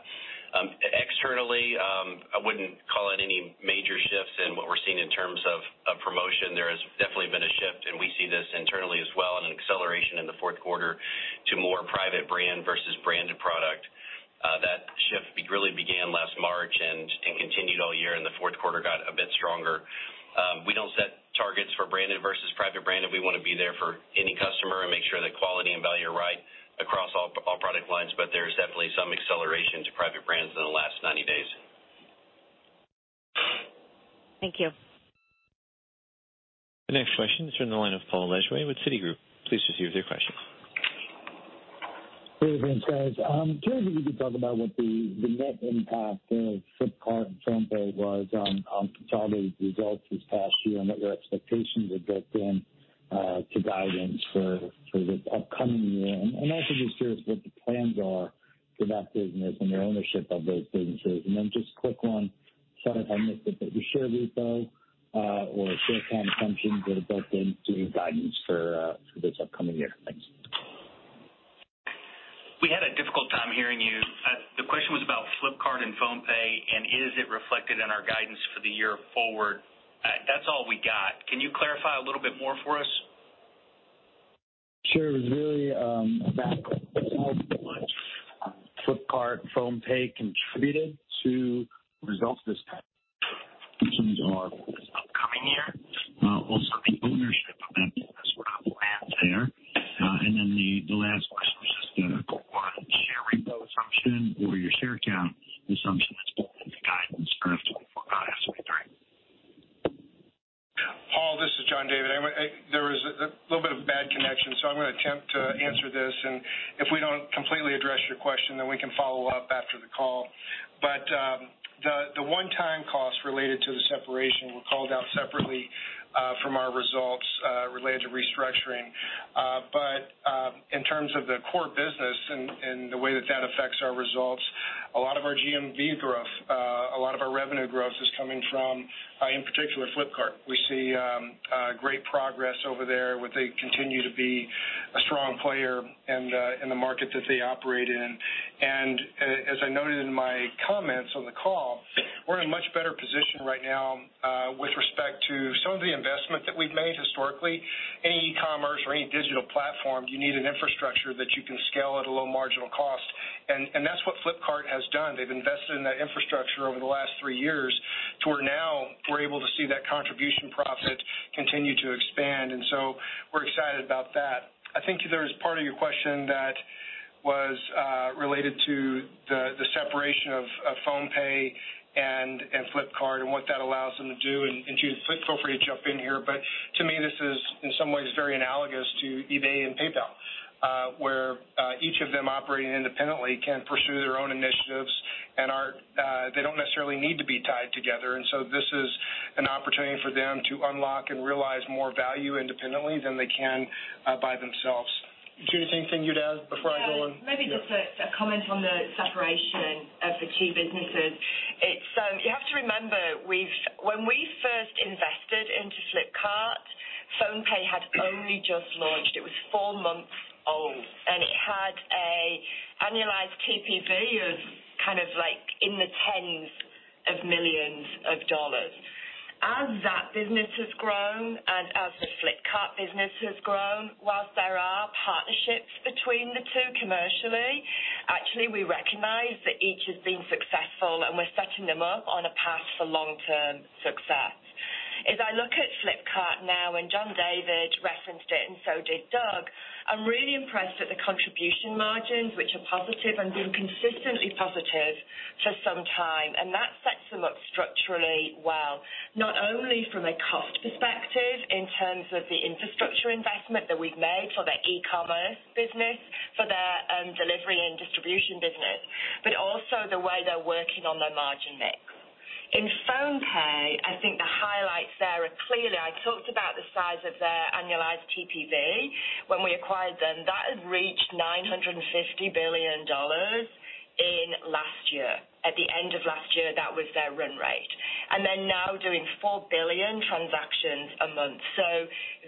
Externally, I wouldn't call it any major shifts in what we're seeing in terms of promotion. There has definitely been a shift, and we see this internally as well, and an acceleration in the fourth quarter to more private brand versus branded product. That shift really began last March and continued all year, and the fourth quarter got a bit stronger. We don't set targets for branded versus private brand, and we wanna be there for any customer and make sure the quality and value are right across all product lines, but there's definitely some acceleration to private brands in the last 90 days. Thank you. The next question is from the line of Paul Lejuez with Citigroup. Please receive your question. Good evening, guys. I'm curious if you could talk about what the net impact of Flipkart and PhonePe was on Walmart's results this past year and what your expectations are built in to guidance for the upcoming year? Also, just curious what the plans are for that business and your ownership of those businesses? Then just quick one. Sorry if I missed it, but your share repo or share count assumptions would have built into your guidance for this upcoming year? Thanks. We had a difficult time hearing you. The question was about Flipkart and PhonePe and is it reflected in our guidance for the year forward. That's all we got. Can you clarify a little bit more for us? Sure. It was really about how much Flipkart and PhonePe contributed to results this past year. Assumptions are this upcoming year. Also the ownership of that business. What are the plans there? Then the last question was just the one share repo assumption or your share count assumption that's built into guidance for FY 2023. Paul, this is John David. There was a little bit of bad connection, so I'm gonna attempt to answer this. If we don't completely address your question, then we can follow up after the call. The one-time cost related to the separation were called out separately from our results related to restructuring. In terms of the core business and the way that affects our results, a lot of our GMV growth, a lot of our revenue growth is coming from in particular, Flipkart. We see great progress over there where they continue to be a strong player in the market that they operate in. As I noted in my comments on the call, we're in a much better position right now, with respect to some of the investment that we've made historically. Any e-commerce or any digital platform, you need an infrastructure that you can scale at a low marginal cost. That's what Flipkart has done. They've invested in that infrastructure over the last three years to where now we're able to see that contribution profit continue to expand. We're excited about that. I think there's part of your question that was related to the separation of PhonePe and Flipkart and what that allows them to do. Judith, feel free to jump in here, but to me, this is in some ways very analogous to eBay and PayPal, where each of them operating independently can pursue their own initiatives and are they don't necessarily need to be tied together. This is an opportunity for them to unlock and realize more value independently than they can by themselves. Judith, anything you'd add before I go on? Maybe just a comment on the separation of the two businesses. It's You have to remember when we first invested into Flipkart, PhonePe had only just launched. It was 4 months old, and it had an annualized TPV of kind of like in the tens of millions of dollars. As that business has grown and as the Flipkart business has grown, while there are partnerships between the two commercially, actually, we recognize that each has been successful, and we're setting them up on a path for long-term success. As I look at Flipkart now, and John David referenced it and so did Doug, I'm really impressed at the contribution margins, which are positive and been consistently positive for some time, and that sets them up structurally well, not only from a cost perspective in terms of the infrastructure investment that we've made for their e-commerce business, for their delivery and distribution business, but also the way they're working on their margin mix. In PhonePe, I think the highlights there are clear that I talked about the size of their annualized TPV when we acquired them. That has reached $950 billion in last year. At the end of last year, that was their run rate. They're now doing 4 billion transactions a month.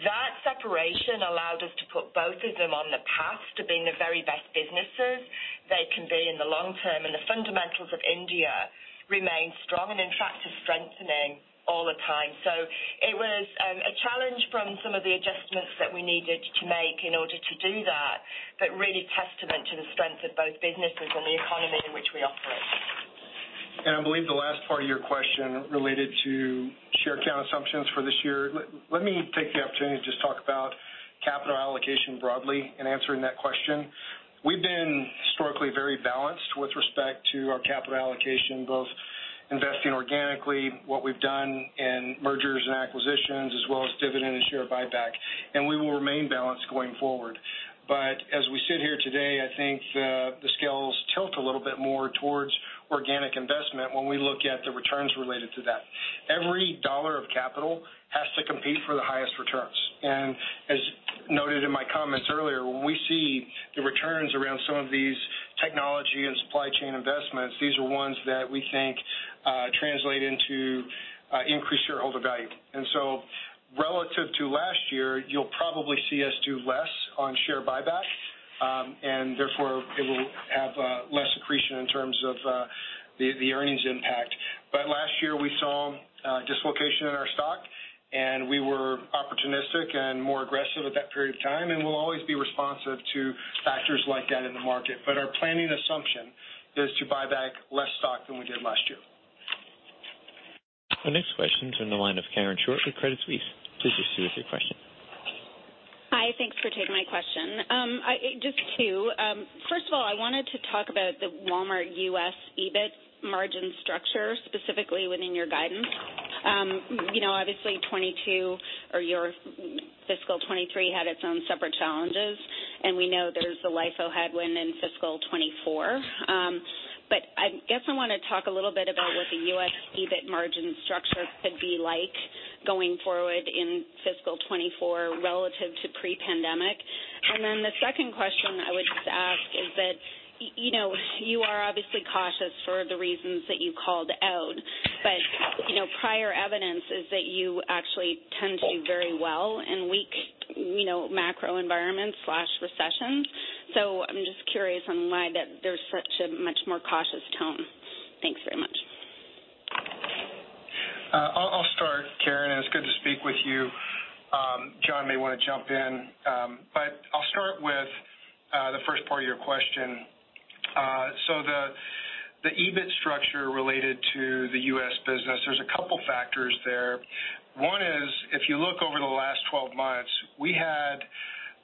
That separation allows- Put both of them on the path to being the very best businesses they can be in the long term. The fundamentals of India remain strong and attractive, strengthening all the time. It was a challenge from some of the adjustments that we needed to make in order to do that, but really testament to the strength of both businesses and the economy in which we operate. I believe the last part of your question related to share count assumptions for this year. Let me take the opportunity to just talk about capital allocation broadly in answering that question. We've been historically very balanced with respect to our capital allocation, both investing organically, what we've done in mergers and acquisitions as well as dividend and share buyback. We will remain balanced going forward. As we sit here today, I think the scales tilt a little bit more towards organic investment when we look at the returns related to that. Every dollar of capital has to compete for the highest returns. As noted in my comments earlier, when we see the returns around some of these technology and supply chain investments, these are ones that we think translate into increased shareholder value. Relative to last year, you'll probably see us do less on share buyback. And therefore it will have less accretion in terms of the earnings impact. Last year, we saw dislocation in our stock, and we were opportunistic and more aggressive at that period of time, and we'll always be responsive to factors like that in the market. Our planning assumption is to buy back less stock than we did last year. The next question is on the line of Karen Short with Credit Suisse. Please proceed with your question. Hi. Thanks for taking my question. Just two. First of all, I wanted to talk about the Walmart U.S. EBIT margin structure, specifically within your guidance. You know, obviously 2022 or your fiscal 2023 had its own separate challenges, and we know there's the LIFO headwind in fiscal 2024 But I guess I wanna talk a little bit about what the U.S. EBIT margin structure could be like going forward in fiscal 2024 relative to pre-pandemic. The second question I would just ask is that, you know, you are obviously cautious for the reasons that you called out, but, you know, prior evidence is that you actually tend to do very well in weak, you know, macro environments/recessions. I'm just curious on why that there's such a much more cautious tone. Thanks very much. I'll start, Karen, and it's good to speak with you. John may wanna jump in. I'll start with the first part of your question. The EBIT structure related to the U.S. business, there's a couple factors there. One is, if you look over the last 12 months, we had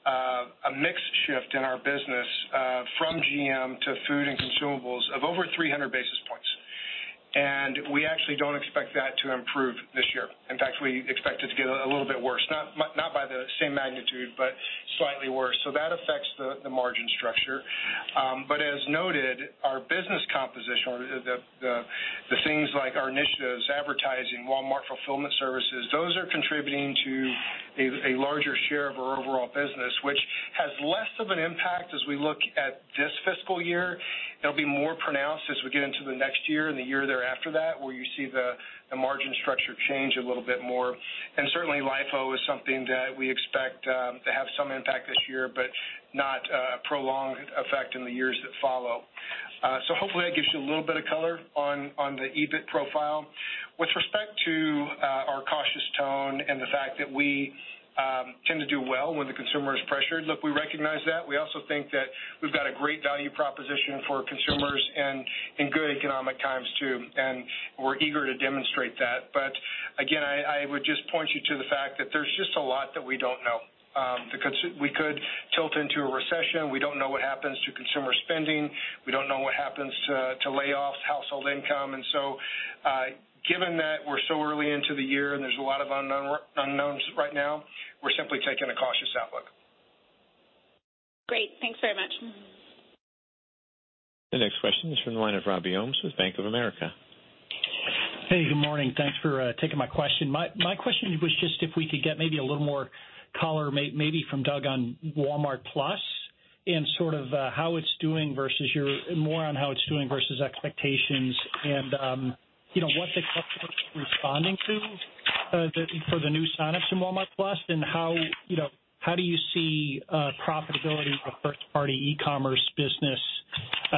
a mix shift in our business from GM to food and consumables of over 300 basis points. We actually don't expect that to improve this year. In fact, we expect it to get a little bit worse, not by the same magnitude, but slightly worse. That affects the margin structure. As noted, our business composition, or the, the things like our initiatives, advertising, Walmart Fulfillment Services, those are contributing to a larger share of our overall business, which has less of an impact as we look at this fiscal year. It'll be more pronounced as we get into the next year and the year thereafter that where you see the margin structure change a little bit more. Certainly LIFO is something that we expect to have some impact this year, but not a prolonged effect in the years that follow. Hopefully that gives you a little bit of color on the EBIT profile. With respect to our cautious tone and the fact that we tend to do well when the consumer is pressured. Look, we recognize that. We also think that we've got a great value proposition for consumers and in good economic times too. We're eager to demonstrate that. Again, I would just point you to the fact that there's just a lot that we don't know. We could tilt into a recession. We don't know what happens to consumer spending. We don't know what happens to layoffs, household income. Given that we're so early into the year and there's a lot of unknown, unknowns right now, we're simply taking a cautious outlook. Great. Thanks very much. The next question is from the line of Robert Ohmes with Bank of America. Hey, good morning. Thanks for taking my question. My question was just if we could get maybe a little more color maybe from Doug on Walmart+ and sort of how it's doing versus your more on how it's doing versus expectations and, you know, what the customer is responding to, the, for the new signups in Walmart+ and how, you know, how do you see profitability of first party e-commerce business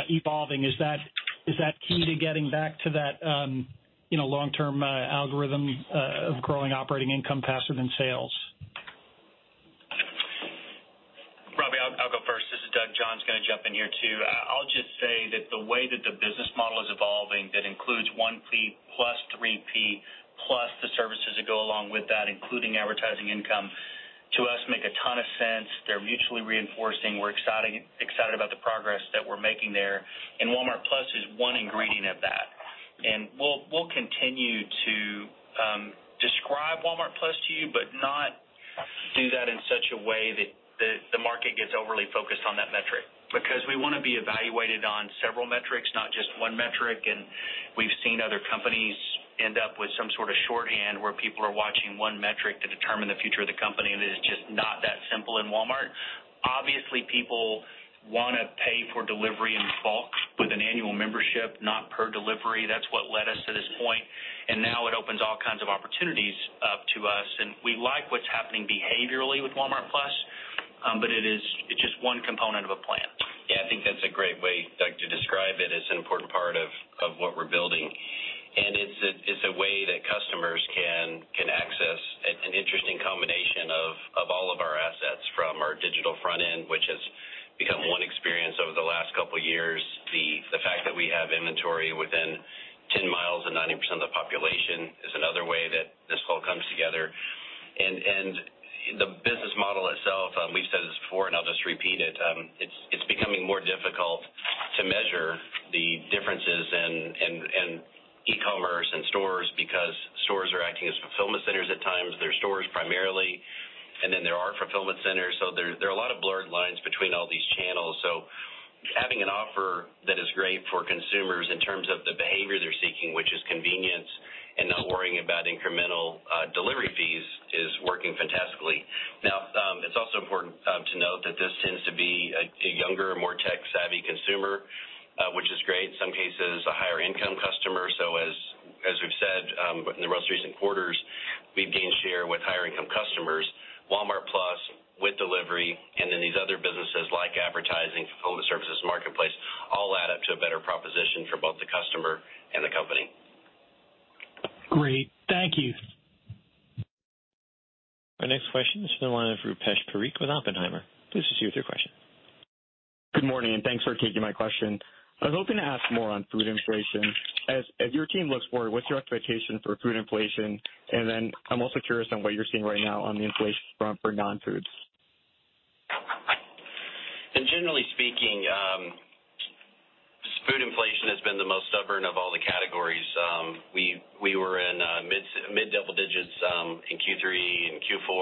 evolving? Is that, is that key to getting back to that, you know, long-term algorithm of growing operating income passive in sales? Robbie, I'll go first. This is Doug. John's gonna jump in here too. I'll just say that the way that the business model is evolving, that includes 1P plus 3P plus the services that go along with that, including advertising income, to us make a ton of sense. They're mutually reinforcing. We're excited about the progress that we're making there, and Walmart+ is one ingredient of that. We'll continue to describe Walmart+ to you, but not do that in such a way that the market gets overly focused on that metric. Because we wanna be evaluated on several metrics, not just one metric. We've seen other companies end up with some sort of shorthand where people are watching one metric to determine the future of the company, and it is just not that simple in Walmart. Obviously, people wanna pay for delivery in bulk with an annual membership, not per delivery. That's what led us to this point. Now it opens all kinds of opportunities up to us, and we like what's happening behaviorally with Walmart+. It is just one component of a plan. I think that's a great way, Doug, to describe it. It's an important part of what we're building. It's a way that customers can access an interesting combination of all of our assets from our digital front end, which has become one experience over the last couple of years. The fact that we have inventory within 10 miles of 90% of the population is another way that this all comes together. The business model itself, we've said this before, and I'll just repeat it's becoming more difficult to measure the differences in e-commerce and stores because stores are acting as fulfillment centers at times. They're stores primarily, and then there are fulfillment centers. There are a lot of blurred lines between all these channels. Having an offer that is great for consumers in terms of the behavior they're seeking, which is convenience and not worrying about incremental delivery fees, is working fantastically. Now, it's also important to note that this tends to be a younger, more tech-savvy consumer, which is great. Some cases, a higher income customer. As we've said, in the most recent quarters, we've gained share with higher income customers. Walmart+ with delivery, and then these other businesses like advertising, fulfillment services, marketplace, all add up to a better proposition for both the customer and the company. Great. Thank you. Our next question is from the line of Rupesh Parikh with Oppenheimer. Please proceed with your question. Good morning. Thanks for taking my question. I was hoping to ask more on food inflation. As your team looks forward, what's your expectation for food inflation? I'm also curious on what you're seeing right now on the inflation front for non-foods. Generally speaking, food inflation has been the most stubborn of all the categories. We were in mid double digits in Q3 and Q4.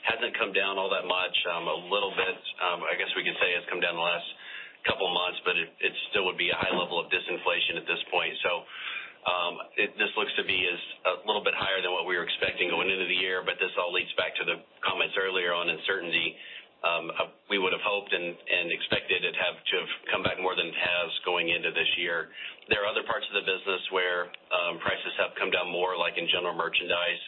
Hasn't come down all that much. A little bit, I guess we could say has come down the last couple of months, but it still would be a high level of disinflation at this point. This looks to be as a little bit higher than what we were expecting going into the year, but this all leads back to the comments earlier on uncertainty. We would have hoped and expected it have to have come back more than it has going into this year. There are other parts of the business where prices have come down more, like in General Merchandise.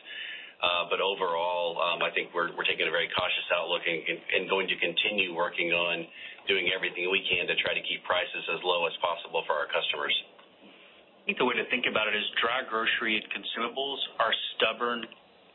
Overall, I think we're taking a very cautious outlook and going to continue working on doing everything we can to try to keep prices as low as possible for our customers. I think the way to think about it is dry grocery and consumables are stubborn,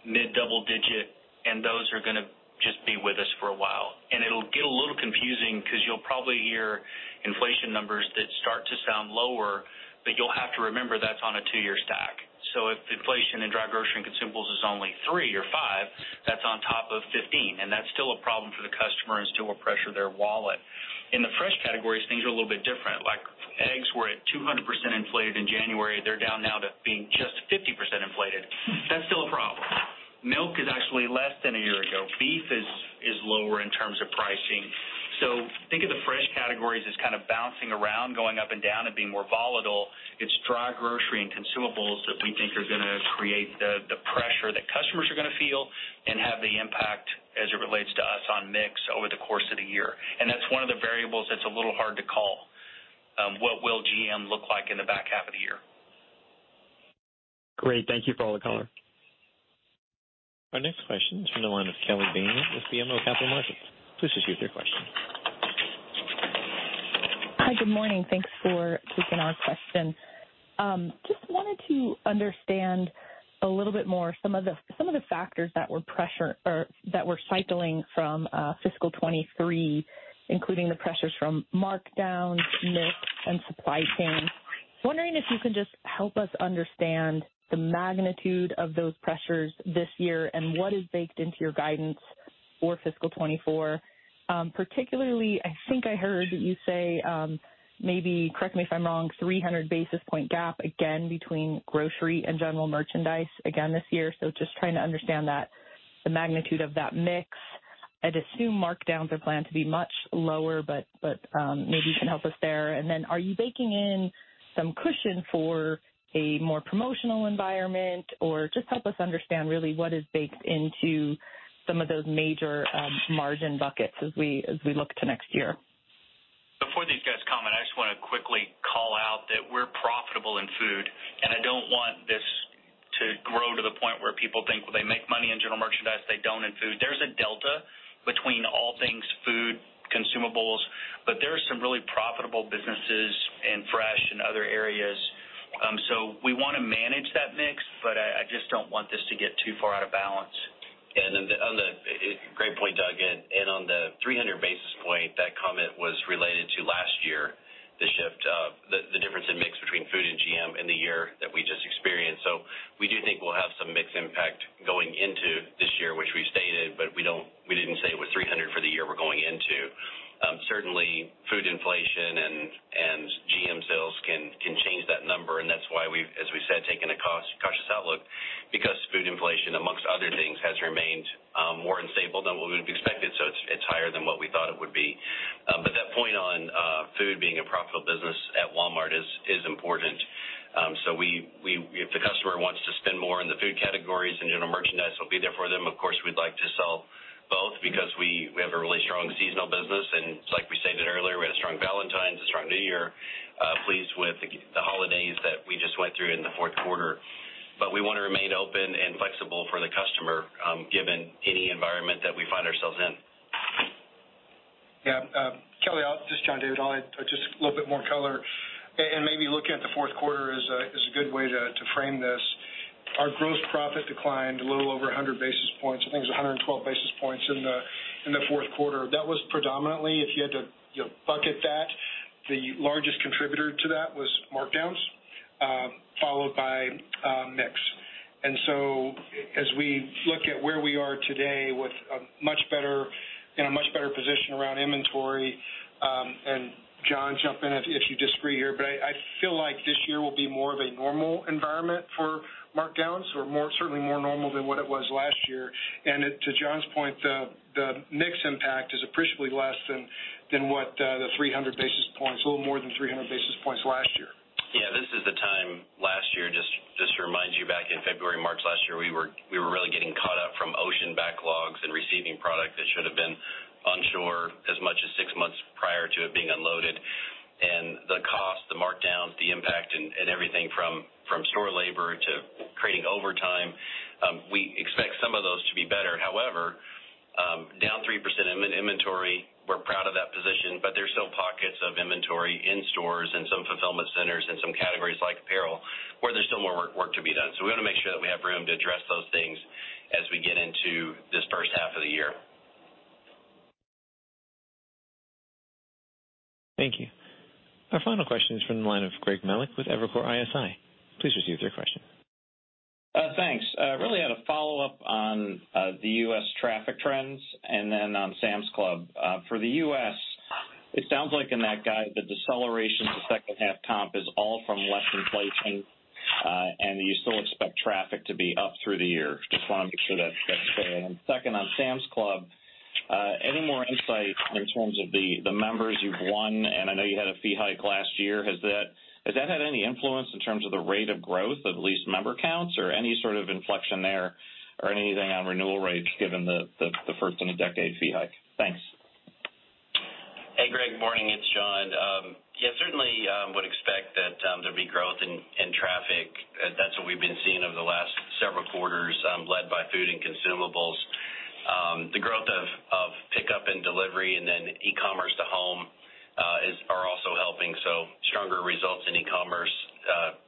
mid-double-digit, and those are gonna just be with us for a while. It'll get a little confusing 'cause you'll probably hear inflation numbers that start to sound lower, but you'll have to remember that's on a 2-year stack. If inflation in dry grocery and consumables is only 3 or 5, that's on top of 15, and that's still a problem for the customer and still will pressure their wallet. In the fresh categories, things are a little bit different. Like, eggs were at 200% inflated in January. They're down now to being just 50% inflated. That's still a problem. Milk is actually less than a year ago. Beef is lower in terms of pricing. Think of the fresh categories as kind of bouncing around, going up and down and being more volatile. It's dry grocery and consumables that we think are gonna create the pressure that customers are gonna feel and have the impact as it relates to us on mix over the course of the year. That's one of the variables that's a little hard to call, what will GM look like in the back half of the year. Great. Thank you for all the color. Our next question is from the line of Kelly Bania with BMO Capital Markets. Please proceed with your question. Hi, good morning. Thanks for taking our question. Just wanted to understand a little bit more some of the factors that were or that were cycling from fiscal 2023, including the pressures from markdowns, mix, and supply chain. Wondering if you can just help us understand the magnitude of those pressures this year and what is baked into your guidance for fiscal 2024. Particularly, I think I heard you say, maybe correct me if I'm wrong, 300 basis point gap again between grocery and general merchandise again this year. Just trying to understand that, the magnitude of that mix. I'd assume markdowns are planned to be much lower, but, maybe you can help us there. Are you baking in some cushion for a more promotional environment? Just help us understand really what is baked into some of those major margin buckets as we look to next year. Before these guys comment, I just wanna quickly call out that we're profitable in food. I don't want this to grow to the point where people think, "Well, they make money in General Merchandise, they don't in food." There's a delta between all things food, consumables, but there are some really profitable businesses in fresh and other areas. We wanna manage that mix, but I just don't want this to get too far out of balance. Great point, Doug. On the 300 basis points, that comment was related to last year, the shift, the difference in mix between food and GM in the year that we just experienced. We do think we'll have some mix impact going into this year, which we've stated, but we didn't say it was 300 for the year we're going into. Certainly, food inflation and GM sales can change that number and that's why we've, as we said, taken a cautious outlook because food inflation, amongst other things, has remained more unstable than what we would have expected, so it's higher than what we thought it would be. That point on food being a profitable business at Walmart is important. If the customer wants to spend more in the food categories and general merchandise, we'll be there for them. Of course, we'd like to sell both because we have a really strong seasonal business, and like we stated earlier, we had a strong balance sheet New Year, pleased with the holidays that we just went through in the fourth quarter. We wanna remain open and flexible for the customer, given any environment that we find ourselves in. Yeah. Kelly, John David, I'll add just a little bit more color and maybe looking at the fourth quarter as a good way to frame this. Our gross profit declined a little over 100 basis points. I think it was 112 basis points in the fourth quarter. That was predominantly, if you had to, you know, bucket that, the largest contributor to that was markdowns, followed by mix. As we look at where we are today with a much better, in a much better position around inventory, and John, jump in if you disagree here, but I feel like this year will be more of a normal environment for markdowns or certainly more normal than what it was last year. To John's point, the mix impact is appreciably less than what, the 300 basis points, a little more than 300 basis points last year. Yeah, this is the time last year, just to remind you back in February, March last year, we were really getting caught up from ocean backlogs and receiving product that should've been onshore as much as six months prior to it being unloaded. The cost, the markdowns, the impact, and everything from store labor to creating overtime, we expect some of those to be better. However, down 3% in inventory, we're proud of that position, but there's still pockets of inventory in stores and some fulfillment centers and some categories like apparel where there's still more work to be done. We wanna make sure that we have room to address those things as we get into this first half of the year. Thank you. Our final question is from the line of Greg Melich with Evercore ISI. Please proceed with your question. Thanks. I really had a follow-up on the U.S. traffic trends and then on Sam's Club. For the U.S., it sounds like in that guide, the deceleration, the second half comp is all from less inflation, and you still expect traffic to be up through the year. Just wanna make sure that's fair. Second, on Sam's Club, any more insight in terms of the members you've won, and I know you had a fee hike last year. Has that had any influence in terms of the rate of growth of least member counts or any sort of inflection there or anything on renewal rates given the first in a decade fee hike? Thanks. Hey, Greg. Morning, it's John. Yeah, certainly, would expect that there'll be growth in traffic. That's what we've been seeing over the last several quarters, led by food and consumables. The growth of pickup and delivery and then e-commerce to home are also helping. Stronger results in e-commerce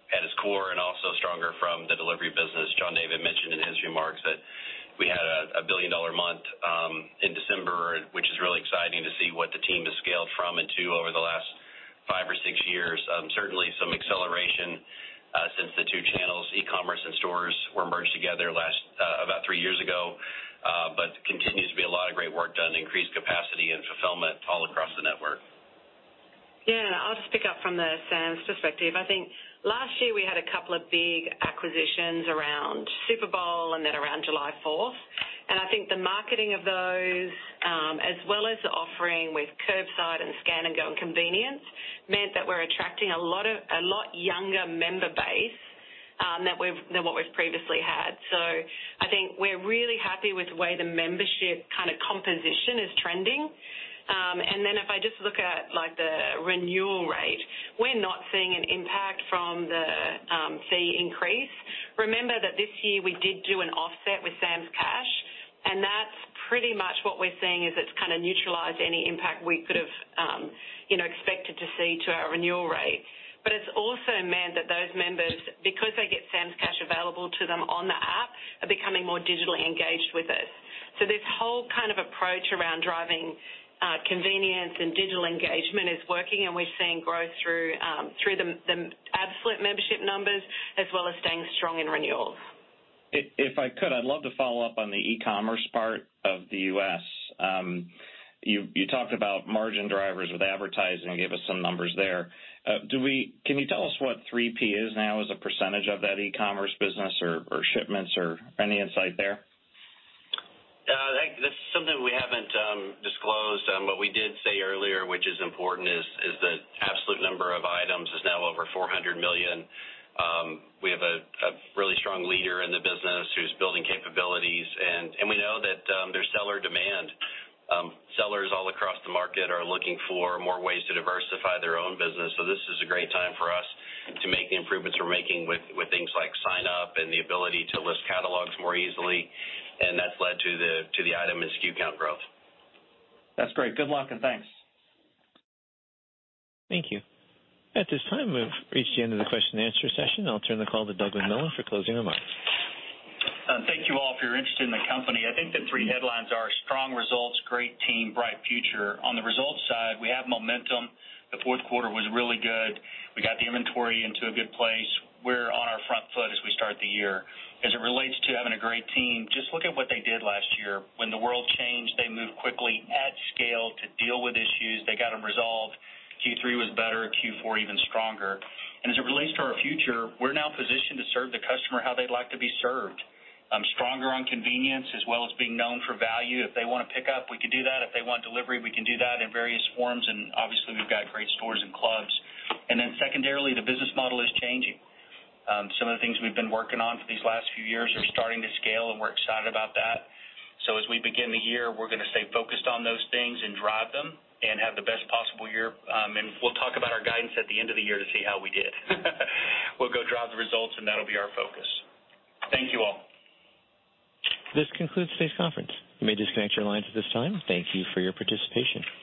at its core and also stronger from the delivery business. John David mentioned in his remarks that we had a billion-dollar month in December, which is really exciting to see what the team has scaled from and to over the last 5 or 6 years. Certainly some acceleration since the two channels, e-commerce and stores, were merged together last about 3 years ago. Continues to be a lot of great work done to increase capacity and fulfillment all across the network. Yeah. I'll just pick up from the Sam's perspective. I think last year we had a couple of big acquisitions around Super Bowl and then around July Fourth. I think the marketing of those, as well as the offering with curbside and Scan & Go and convenience, meant that we're attracting a lot younger member base than what we've previously had. I think we're really happy with the way the membership kind of composition is trending. If I just look at, like, the renewal rate, we're not seeing an impact from the fee increase. Remember that this year we did do an offset with Sam's Cash, that's pretty much what we're seeing is it's kind of neutralized any impact we could've, you know, expected to see to our renewal rate. It's also meant that those members, because they get Sam's Cash available to them on the app, are becoming more digitally engaged with us. This whole kind of approach around driving convenience and digital engagement is working, and we're seeing growth through the absolute membership numbers as well as staying strong in renewals. If I could, I'd love to follow up on the e-commerce part of the U.S. You talked about margin drivers with advertising and gave us some numbers there. Can you tell us what 3P is now as a % of that e-commerce business or shipments or any insight there? This is something we haven't disclosed. What we did say earlier, which is important, is that absolute number of items is now over $400 million. We have a really strong leader in the business who's building capabilities, and we know that there's seller demand. Sellers all across the market are looking for more ways to diversify their own business. This is a great time for us to make the improvements we're making with things like sign up and the ability to list catalogs more easily, and that's led to the item and SKU count growth. That's great. Good luck, and thanks. Thank you. At this time, we've reached the end of the question and answer session. I'll turn the call to Douglas McMillon for closing remarks. Thank you all for your interest in the company. I think the three headlines are strong results, great team, bright future. On the results side, we have momentum. The fourth quarter was really good. We got the inventory into a good place. We're on our front foot as we start the year. As it relates to having a great team, just look at what they did last year. When the world changed, they moved quickly at scale to deal with issues. They got them resolved. Q3 was better, Q4 even stronger. As it relates to our future, we're now positioned to serve the customer how they'd like to be served. Stronger on convenience as well as being known for value. If they wanna pick up, we can do that. If they want delivery, we can do that in various forms, obviously, we've got great stores and clubs. Then secondarily, the business model is changing. Some of the things we've been working on for these last few years are starting to scale, and we're excited about that. As we begin the year, we're gonna stay focused on those things and drive them and have the best possible year. We'll talk about our guidance at the end of the year to see how we did. We'll go drive the results, and that'll be our focus. Thank you all. This concludes today's conference. You may disconnect your lines at this time. Thank you for your participation.